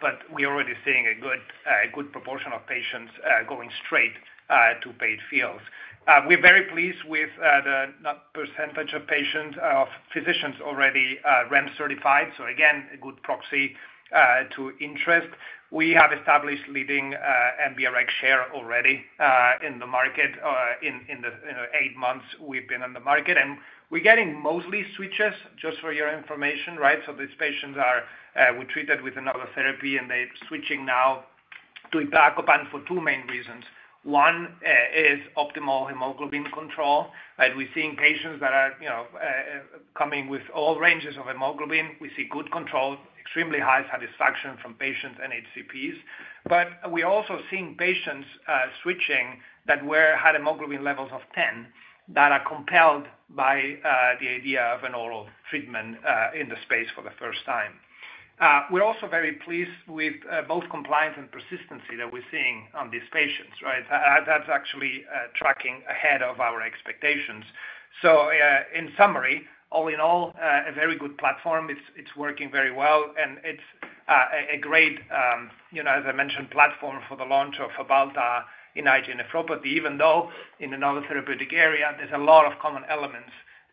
but we're already seeing a good proportion of patients going straight to paid fills. We're very pleased with the high percentage of physicians already REMS certified, so again, a good proxy to interest. We have established leading market share already in the market, you know, eight months we've been on the market. And we're getting mostly switchers, just for your information, right? So these patients were treated with another therapy, and they're switching now to iptacopan for two main reasons. One is optimal hemoglobin control, right? We're seeing patients that are, you know, coming with all ranges of hemoglobin. We see good control, extremely high satisfaction from patients and HCPs. But we're also seeing patients switching that had hemoglobin levels of 10, that are compelled by the idea of an oral treatment in the space for the first time. We're also very pleased with both compliance and persistency that we're seeing on these patients, right? That's actually tracking ahead of our expectations. In summary, all in all, a very good platform. It's working very well, and it's a great, you know, as I mentioned, platform for the launch of Fabhalta in IgA nephropathy, even though in another therapeutic area, there's a lot of common elements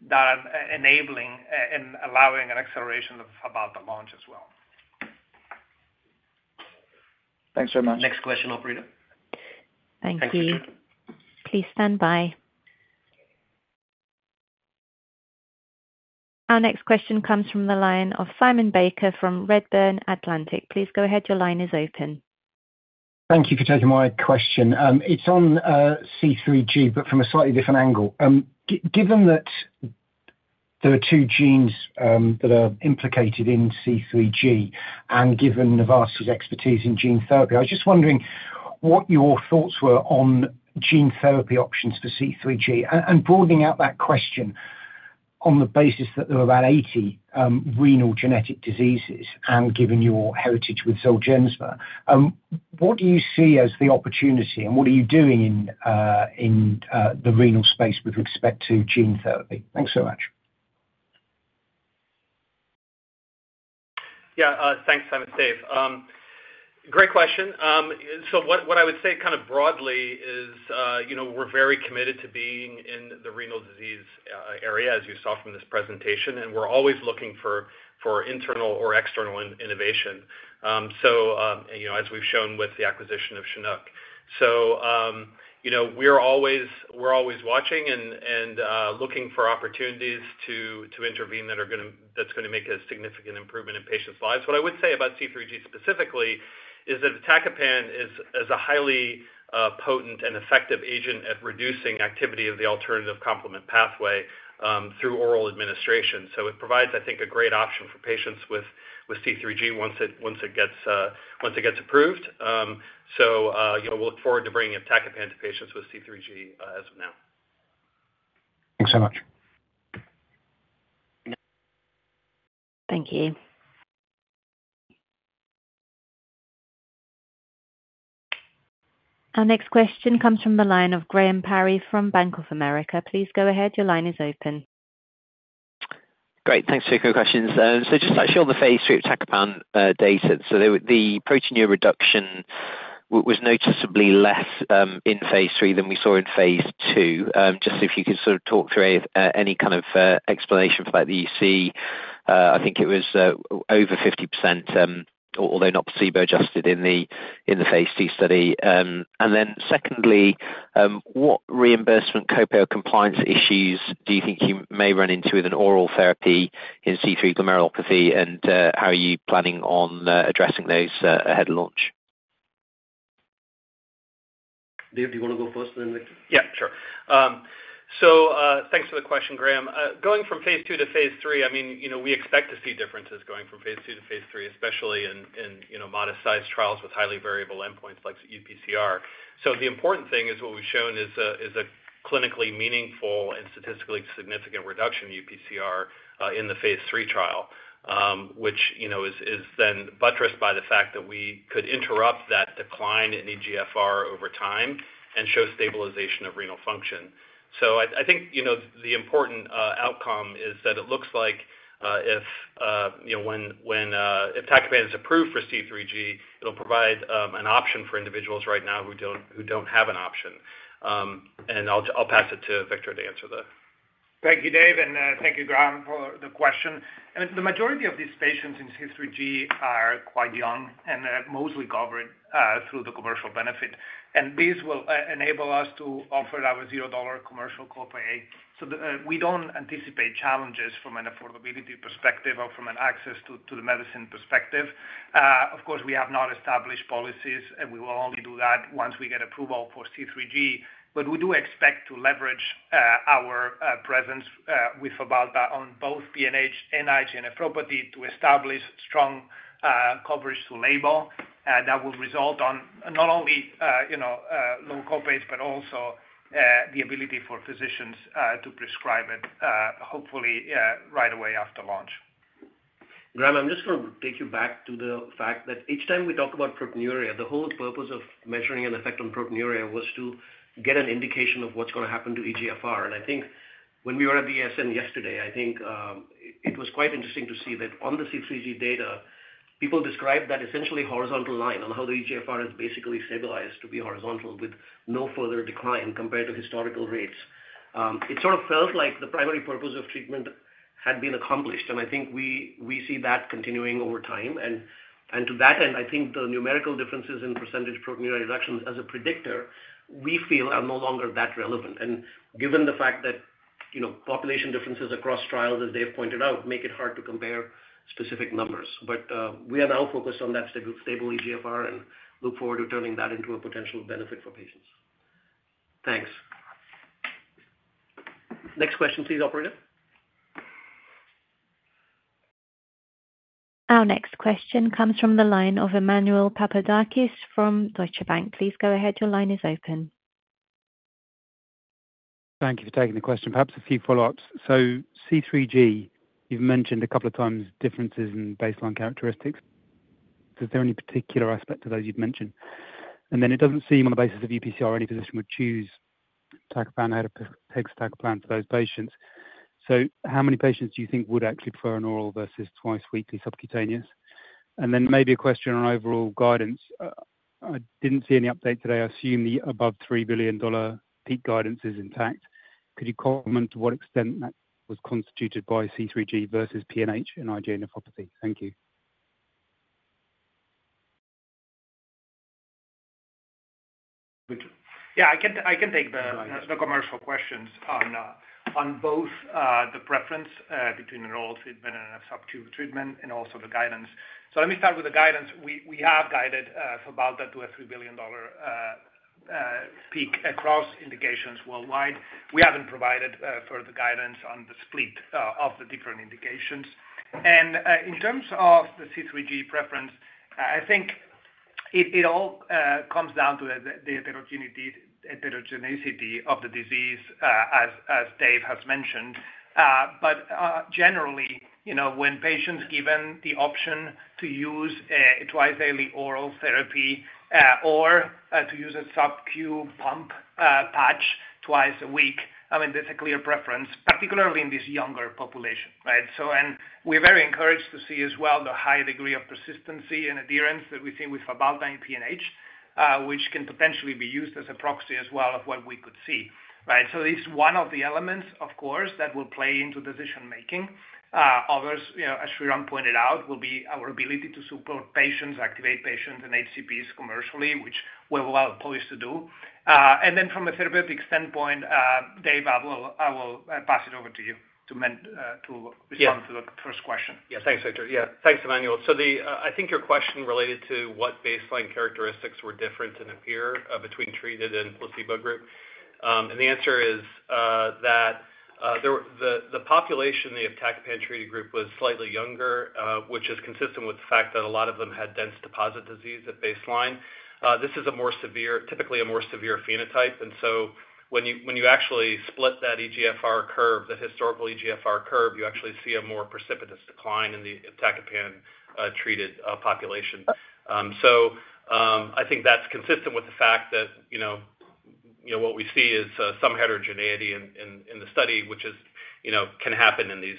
that are enabling and allowing an acceleration of Fabhalta launch as well.... Thanks very much. Next question, operator. Thank you. Thanks, operator. Please stand by. Our next question comes from the line of Simon Baker from Redburn Atlantic. Please go ahead. Your line is open. Thank you for taking my question. It's on C3G, but from a slightly different angle. Given that there are two genes that are implicated in C3G, and given Novartis' expertise in gene therapy, I was just wondering what your thoughts were on gene therapy options for C3G. And broadening out that question, on the basis that there are about eighty renal genetic diseases and given your heritage with Zolgensma, what do you see as the opportunity, and what are you doing in the renal space with respect to gene therapy? Thanks so much. Yeah, thanks, Simon. Dave, great question. So what I would say kind of broadly is, you know, we're very committed to being in the renal disease area, as you saw from this presentation, and we're always looking for internal or external innovation. So, you know, as we've shown with the acquisition of Chinook. So, you know, we're always watching and looking for opportunities to intervene that's gonna make a significant improvement in patients' lives. What I would say about C3G specifically is that iptacopan is a highly potent and effective agent at reducing activity of the alternative complement pathway through oral administration. So it provides, I think, a great option for patients with C3G, once it gets approved. So, you know, we look forward to bringing iptacopan to patients with C3G, as of now. Thanks so much. Thank you. Our next question comes from the line of Graham Parry from Bank of America. Please go ahead. Your line is open. Great. Thanks for your good questions. So just actually on the phase 3 iptacopan data. So the proteinuria reduction was noticeably less in phase 3 than we saw in phase 2. Just if you could sort of talk through any kind of explanation for that that you see. I think it was over 50%, although not placebo-adjusted in the phase 2 study. And then secondly, what reimbursement copay or compliance issues do you think you may run into with an oral therapy in C3 glomerulopathy, and how are you planning on addressing those ahead of launch? Dave, do you wanna go first, then Victor? Yeah, sure. So, thanks for the question, Graham. Going from phase II to phase III, I mean, you know, we expect to see differences going from phase II to phase III, especially in you know, modest-sized trials with highly variable endpoints like UPCR. So the important thing is what we've shown is a clinically meaningful and statistically significant reduction in UPCR in the phase III trial, which, you know, is then buttressed by the fact that we could interrupt that decline in eGFR over time and show stabilization of renal function. So I think, you know, the important outcome is that it looks like, if you know, when if iptacopan is approved for C3G, it'll provide an option for individuals right now who don't have an option. and I'll pass it to Victor to answer the- Thank you, Dave, and thank you, Graham, for the question. The majority of these patients in C3G are quite young and are mostly covered through the commercial benefit. This will enable us to offer our $0 commercial copay. We don't anticipate challenges from an affordability perspective or from an access to the medicine perspective. Of course, we have not established policies, and we will only do that once we get approval for C3G, but we do expect to leverage our presence with Fabhalta on both PNH and IgA nephropathy to establish strong coverage to label. That will result in not only, you know, low copays, but also the ability for physicians to prescribe it, hopefully, right away after launch. Graham, I'm just gonna take you back to the fact that each time we talk about proteinuria, the whole purpose of measuring an effect on proteinuria was to get an indication of what's gonna happen to eGFR. And I think when we were at the ASN yesterday, I think it was quite interesting to see that on the C3G data, people described that essentially horizontal line on how the eGFR has basically stabilized to be horizontal with no further decline compared to historical rates. It sort of felt like the primary purpose of treatment had been accomplished, and I think we see that continuing over time. And to that end, I think the numerical differences in percentage proteinuria reductions as a predictor, we feel are no longer that relevant. Given the fact that, you know, population differences across trials, as Dave pointed out, make it hard to compare specific numbers. We are now focused on that stable eGFR and look forward to turning that into a potential benefit for patients. Thanks. Next question, please, operator. Our next question comes from the line of Emmanuel Papadakis from Deutsche Bank. Please go ahead. Your line is open. Thank you for taking the question. Perhaps a few follow-ups. So C3G, you've mentioned a couple of times differences in baseline characteristics. Is there any particular aspect to those you'd mention? And then it doesn't seem, on the basis of UPCR, any physician would choose iptacopan out of pegcetacopan for those patients. So how many patients do you think would actually prefer an oral versus twice weekly subcutaneous? And then maybe a question on overall guidance. I didn't see any update today. I assume the above $3 billion peak guidance is intact. Could you comment to what extent that was constituted by C3G versus PNH and IgA nephropathy? Thank you.... Yeah, I can take the commercial questions on both the preference between an oral treatment and a sub-Q treatment and also the guidance. So let me start with the guidance. We have guided for about a $2-3 billion peak across indications worldwide. We haven't provided further guidance on the split of the different indications. And in terms of the C3G preference, I think it all comes down to the heterogeneity of the disease, as Dave has mentioned. But generally, you know, when patients given the option to use a twice-daily oral therapy, or to use a sub-Q pump patch twice a week, I mean, that's a clear preference, particularly in this younger population, right? And we're very encouraged to see as well the high degree of persistency and adherence that we've seen with Fabhalta in PNH, which can potentially be used as a proxy as well of what we could see, right? So it's one of the elements, of course, that will play into decision making. Others, you know, as Shreeram pointed out, will be our ability to support patients, activate patients and HCPs commercially, which we're well poised to do. And then from a therapeutic standpoint, Dave, I will pass it over to you to Yeah. - Respond to the first question. Yeah. Thanks, Victor. Yeah, thanks, Emmanuel. So I think your question related to what baseline characteristics were different in APPEAR between treated and placebo group. And the answer is that there were the population in the iptacopan-treated group was slightly younger, which is consistent with the fact that a lot of them had dense deposit disease at baseline. This is a more severe, typically a more severe phenotype, and so when you actually split that eGFR curve, the historical eGFR curve, you actually see a more precipitous decline in the iptacopan treated population. So I think that's consistent with the fact that, you know, what we see is some heterogeneity in the study, which is, you know, can happen in these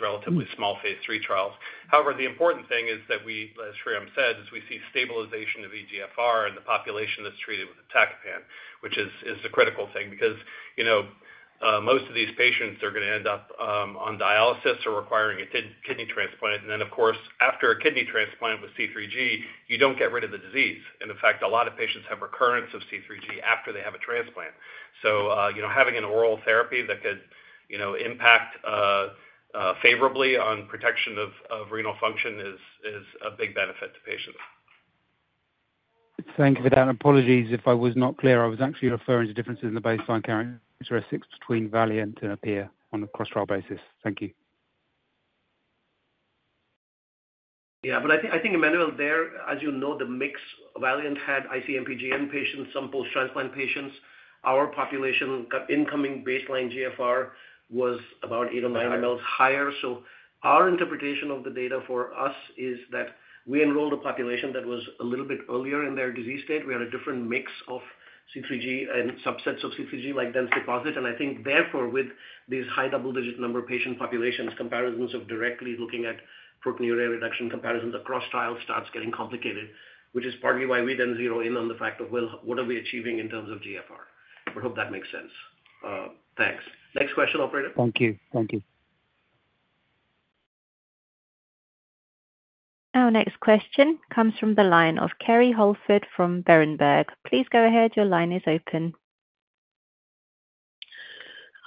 relatively small phase three trials. However, the important thing is that we, as Shreeram said, is we see stabilization of eGFR in the population that's treated with iptacopan, which is the critical thing. Because, you know, most of these patients are gonna end up on dialysis or requiring a kidney transplant. And then, of course, after a kidney transplant with C3G, you don't get rid of the disease. And in fact, a lot of patients have recurrence of C3G after they have a transplant. So, you know, having an oral therapy that could, you know, impact favorably on protection of renal function is a big benefit to patients. Thank you for that, and apologies if I was not clear. I was actually referring to differences in the baseline characteristics between VALIANT and APPEAR on a cross-trial basis. Thank you. Yeah, but I think, Emmanuel, as you know, the mix. VALIANT had IC-MPGN patients, some post-transplant patients. Our population got incoming baseline GFR was about eight or nine mLs higher. So our interpretation of the data for us is that we enrolled a population that was a little bit earlier in their disease state. We had a different mix of C3G and subsets of C3G, like dense deposit. And I think therefore, with these high double-digit number of patient populations, comparisons of directly looking at proteinuria reduction comparisons across trials starts getting complicated, which is partly why we then zero in on the fact of, well, what are we achieving in terms of GFR? I hope that makes sense. Thanks. Next question, operator. Thank you. Thank you. Our next question comes from the line of Kerry Holford from Berenberg. Please go ahead, your line is open.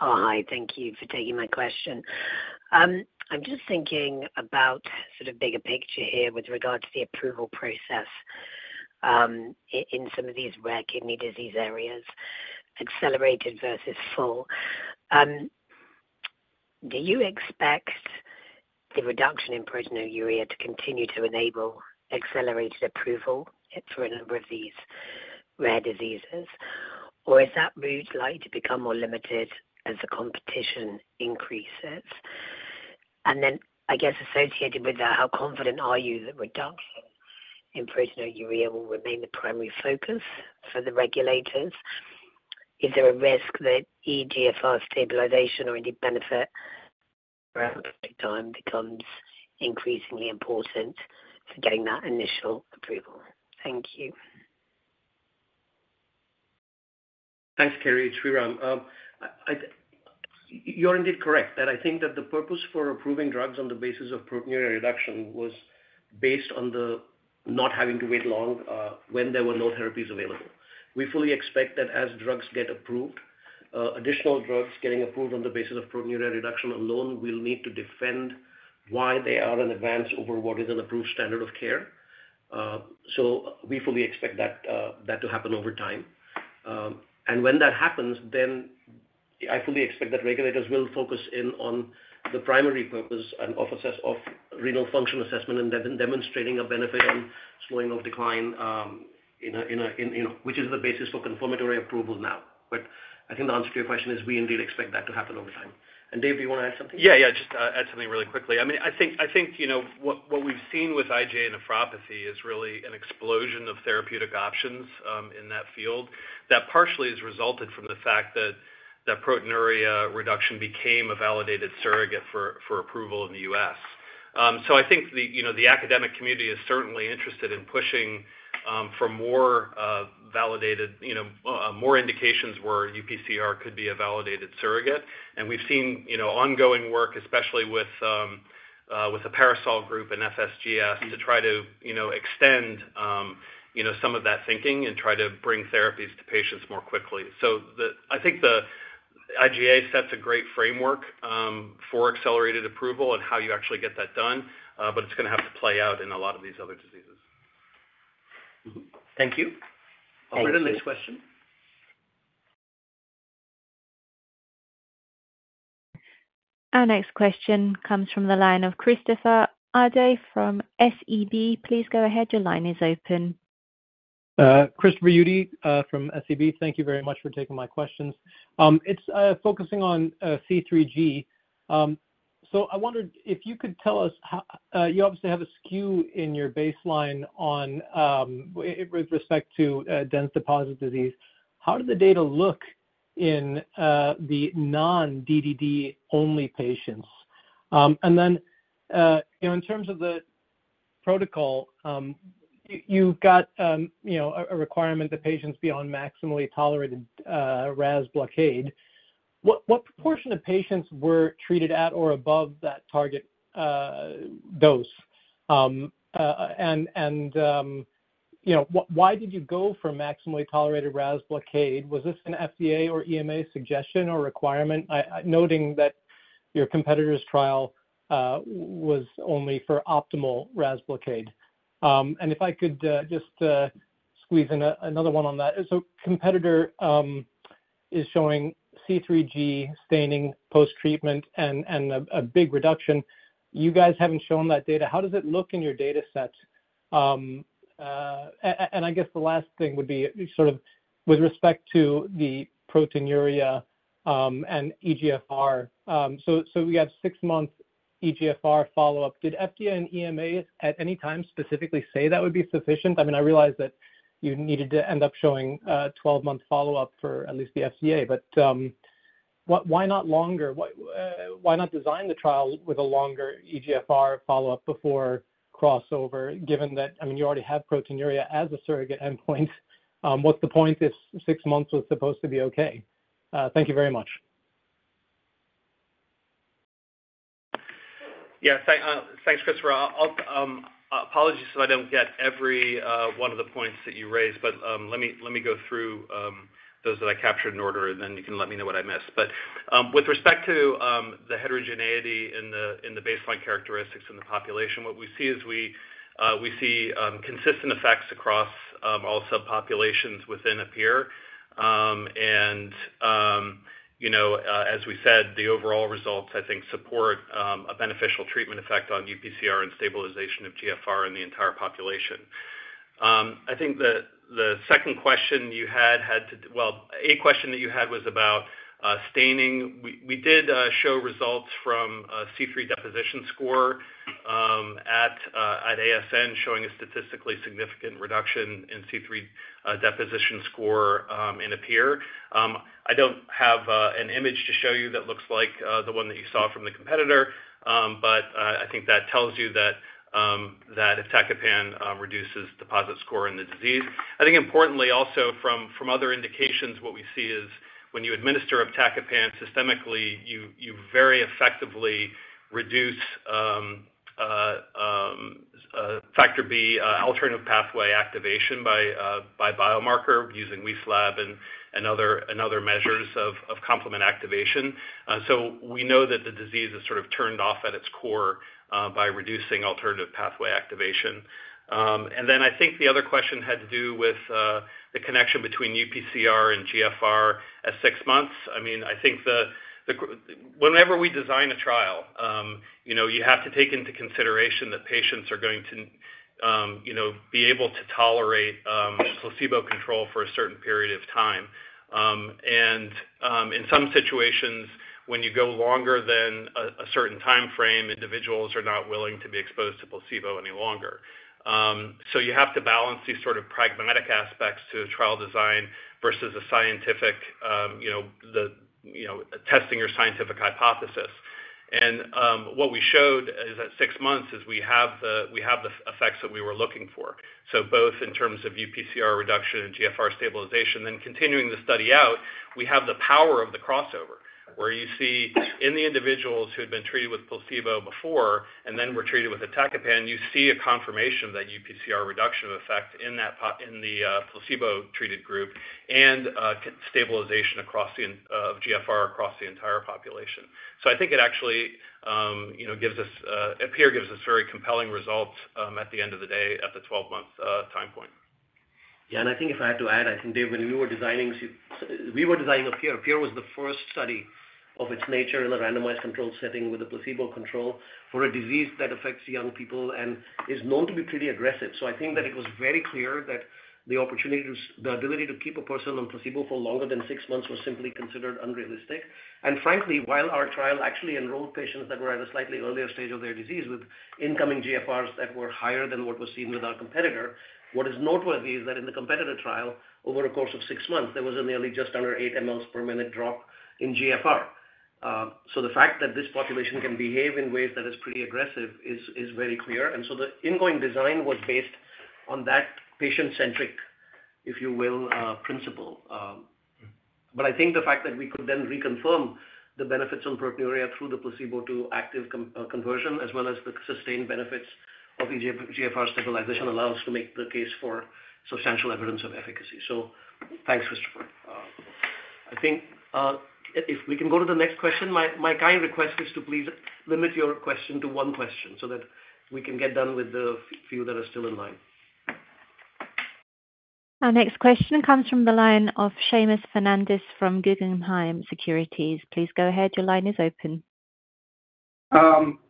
Oh, hi, thank you for taking my question. I'm just thinking about sort of bigger picture here with regard to the approval process in some of these rare kidney disease areas, accelerated versus full. Do you expect the reduction in proteinuria to continue to enable accelerated approval for a number of these rare diseases, or is that route likely to become more limited as the competition increases? And then, I guess, associated with that, how confident are you that reduction in proteinuria will remain the primary focus for the regulators? Is there a risk that eGFR stabilization or any benefit around time becomes increasingly important for getting that initial approval? Thank you. Thanks, Kerry. It's Shreeram. You're indeed correct, that I think that the purpose for approving drugs on the basis of proteinuria reduction was based on the not having to wait long, when there were no therapies available. We fully expect that as drugs get approved, additional drugs getting approved on the basis of proteinuria reduction alone will need to defend why they are an advantage over what is an approved standard of care. So we fully expect that, that to happen over time. When that happens, then I fully expect that regulators will focus in on the primary purpose and efficacy of renal function assessment and demonstrating a benefit on slowing of decline, in, you know, which is the basis for confirmatory approval now. But I think the answer to your question is, we indeed expect that to happen over time. And Dave, do you want to add something? Yeah, yeah, just add something really quickly. I mean, I think you know what we've seen with IgA nephropathy is really an explosion of therapeutic options in that field. That partially has resulted from the fact that proteinuria reduction became a validated surrogate for approval in the U.S. So I think the academic community is certainly interested in pushing for more validated, you know, more indications where UPCR could be a validated surrogate. And we've seen, you know, ongoing work, especially with the PARASOL Group and FSGS to try to, you know, extend some of that thinking and try to bring therapies to patients more quickly. So I think the IgA sets a great framework for accelerated approval and how you actually get that done, but it's gonna have to play out in a lot of these other diseases. Mm-hmm. Thank you. Thank you. Operator, next question? Our next question comes from the line of Christopher Uhlén from SEB. Please go ahead. Your line is open. Christopher Uhlén, from SEB. Thank you very much for taking my questions. It's focusing on C3G. So I wondered if you could tell us how you obviously have a skew in your baseline on, with respect to, dense deposit disease. How did the data look in, the non-DDD only patients? And then, you know, in terms of the protocol, you've got, you know, a requirement that patients be on maximally tolerated, RAS blockade. What proportion of patients were treated at or above that target, dose? And, you know, why did you go for a maximally tolerated RAS blockade? Was this an FDA or EMA suggestion or requirement? Noting that your competitor's trial, was only for optimal RAS blockade. And if I could just squeeze in another one on that. So competitor is showing C3G staining post-treatment and a big reduction. You guys haven't shown that data. How does it look in your data set? And I guess the last thing would be sort of with respect to the proteinuria and eGFR. So we have six-month eGFR follow-up. Did FDA and EMA at any time specifically say that would be sufficient? I mean, I realize that you needed to end up showing twelve-month follow-up for at least the FDA, but why not longer? Why not design the trial with a longer eGFR follow-up before crossover, given that I mean, you already have proteinuria as a surrogate endpoint? What's the point if six months was supposed to be okay? Thank you very much. Yeah, thanks, Christopher. I'll apologize if I don't get every one of the points that you raised, but let me go through those that I captured in order, and then you can let me know what I missed. But with respect to the heterogeneity in the baseline characteristics in the population, what we see is we see consistent effects across all subpopulations within APPEAR. And you know, as we said, the overall results, I think, support a beneficial treatment effect on UPCR and stabilization of GFR in the entire population. I think the second question you had to do. Well, a question that you had was about staining. We did show results from a C3 deposition score at ASN, showing a statistically significant reduction in C3 deposition score in APPEAR. I don't have an image to show you that looks like the one that you saw from the competitor, but I think that tells you that iptacopan reduces deposition score in the disease. I think importantly, also from other indications, what we see is when you administer iptacopan systemically, you very effectively reduce Factor B alternative pathway activation by biomarker using Wieslab and other measures of complement activation. So we know that the disease is sort of turned off at its core by reducing alternative pathway activation. And then I think the other question had to do with the connection between UPCR and GFR at six months. I mean, I think whenever we design a trial, you know, you have to take into consideration that patients are going to, you know, be able to tolerate placebo control for a certain period of time. In some situations, when you go longer than a certain timeframe, individuals are not willing to be exposed to placebo any longer. So you have to balance these sort of pragmatic aspects to a trial design versus a scientific, you know, testing your scientific hypothesis. What we showed at six months is we have the effects that we were looking for, so both in terms of UPCR reduction and GFR stabilization. Then continuing the study out, we have the power of the crossover, where you see in the individuals who had been treated with placebo before and then were treated with iptacopan, you see a confirmation of that UPCR reduction effect in the placebo-treated group and stabilization of GFR across the entire population. So I think it actually, you know, APPLAUSE gives us very compelling results at the end of the day, at the twelve-month time point. Yeah, and I think if I had to add, I think, Dave, when we were designing APPEAR, APPEAR was the first study of its nature in a randomized controlled setting with a placebo control for a disease that affects young people and is known to be pretty aggressive. So I think that it was very clear that the opportunity, the ability to keep a person on placebo for longer than six months was simply considered unrealistic. And frankly, while our trial actually enrolled patients that were at a slightly earlier stage of their disease, with incoming GFRs that were higher than what was seen with our competitor, what is noteworthy is that in the competitor trial, over a course of six months, there was a nearly just under eight mL per minute drop in GFR. So the fact that this population can behave in ways that is pretty aggressive is very clear. And so the ingoing design was based on that patient-centric, if you will, principle. But I think the fact that we could then reconfirm the benefits on proteinuria through the placebo to active control conversion, as well as the sustained benefits of eGFR stabilization, allow us to make the case for substantial evidence of efficacy. So thanks, Christopher. I think if we can go to the next question, my kind request is to please limit your question to one question so that we can get done with the few that are still in line. Our next question comes from the line of Seamus Fernandez from Guggenheim Securities. Please go ahead. Your line is open.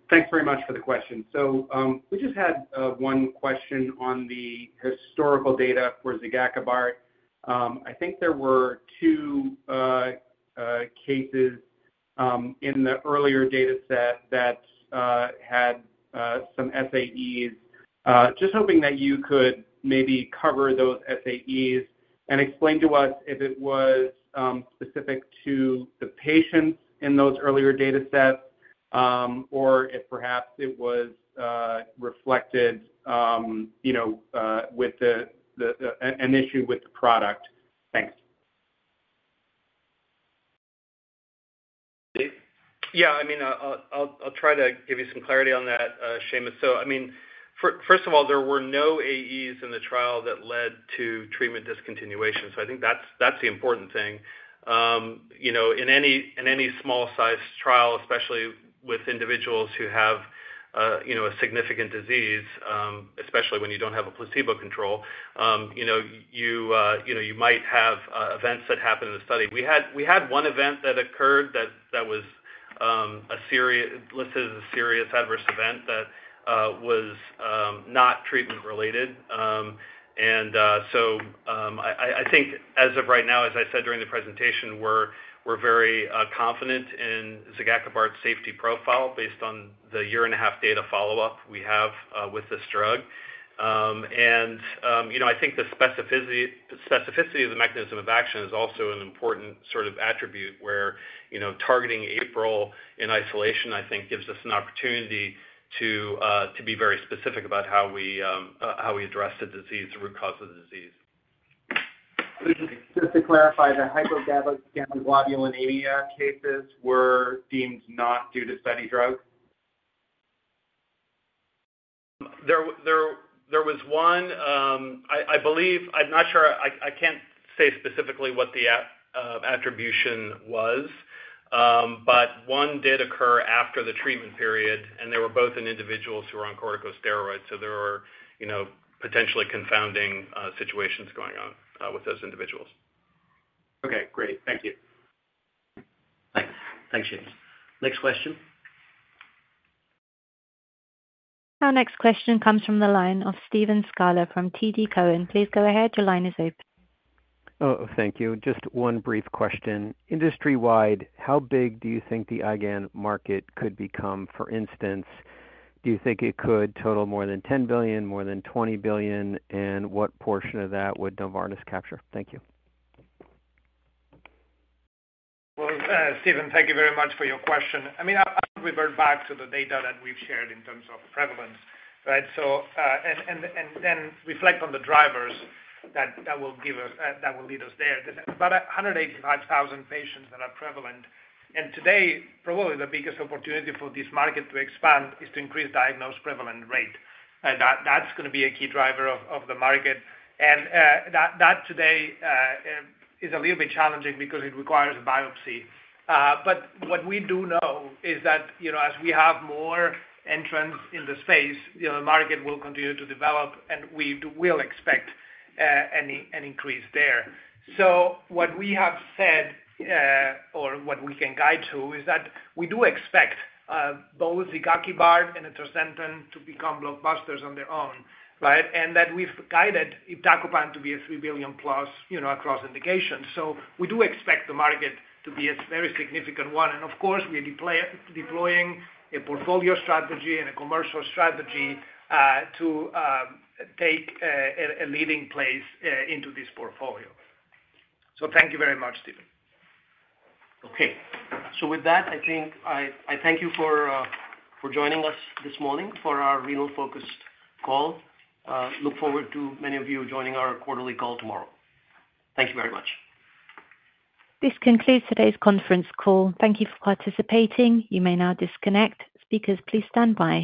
Thanks very much for the question. So, we just had one question on the historical data for zigakibart. I think there were two cases in the earlier dataset that had some SAEs. Just hoping that you could maybe cover those SAEs and explain to us if it was specific to the patients in those earlier datasets, or if perhaps it was reflected, you know, with an issue with the product. Thanks. Yeah, I mean, I'll try to give you some clarity on that, Seamus. So I mean, first of all, there were no AEs in the trial that led to treatment discontinuation. So I think that's the important thing. You know, in any small size trial, especially with individuals who have, you know, a significant disease, especially when you don't have a placebo control, you know, you might have events that happen in the study. We had one event that occurred that was a serious listed as a serious adverse event that was not treatment related. I think as of right now, as I said during the presentation, we're very confident in zigakibart's safety profile, based on the year-and-a-half data follow-up we have with this drug. You know, I think the specificity of the mechanism of action is also an important sort of attribute, where you know, targeting APRIL in isolation, I think gives us an opportunity to be very specific about how we address the disease, the root cause of the disease. Just to clarify, the hypogammaglobulinemia cases were deemed not due to study drug? There was one, I believe. I'm not sure. I can't say specifically what the attribution was, but one did occur after the treatment period, and they were both in individuals who were on corticosteroids, so there were, you know, potentially confounding situations going on with those individuals. Okay, great. Thank you. Thanks. Thanks, Seamus. Next question? Our next question comes from the line of Steven Scala from TD Cowen. Please go ahead, your line is open. Oh, thank you. Just one brief question. Industry-wide, how big do you think the IgAN market could become? For instance, do you think it could total more than $10 billion, more than $20 billion, and what portion of that would Novartis capture? Thank you. Steven, thank you very much for your question. I mean, I would revert back to the data that we've shared in terms of prevalence, right? And then reflect on the drivers that will give us that will lead us there. About a hundred and eighty-five thousand patients that are prevalent, and today, probably the biggest opportunity for this market to expand is to increase diagnosed prevalent rate. And that, that's gonna be a key driver of the market. And that today is a little bit challenging because it requires a biopsy. But what we do know is that, you know, as we have more entrants in the space, you know, the market will continue to develop, and we will expect an increase there. So what we have said, or what we can guide to, is that we do expect both atrasentan and zigakibart to become blockbusters on their own, right? And that we've guided iptacopan to be a $3 billion plus, you know, across indications. So we do expect the market to be a very significant one, and of course, we're deploying a portfolio strategy and a commercial strategy to take a leading place into this portfolio. So thank you very much, Steven. Okay. So with that, I think I thank you for joining us this morning for our renal-focused call. Look forward to many of you joining our quarterly call tomorrow. Thank you very much. This concludes today's conference call. Thank you for participating. You may now disconnect. Speakers, please stand by.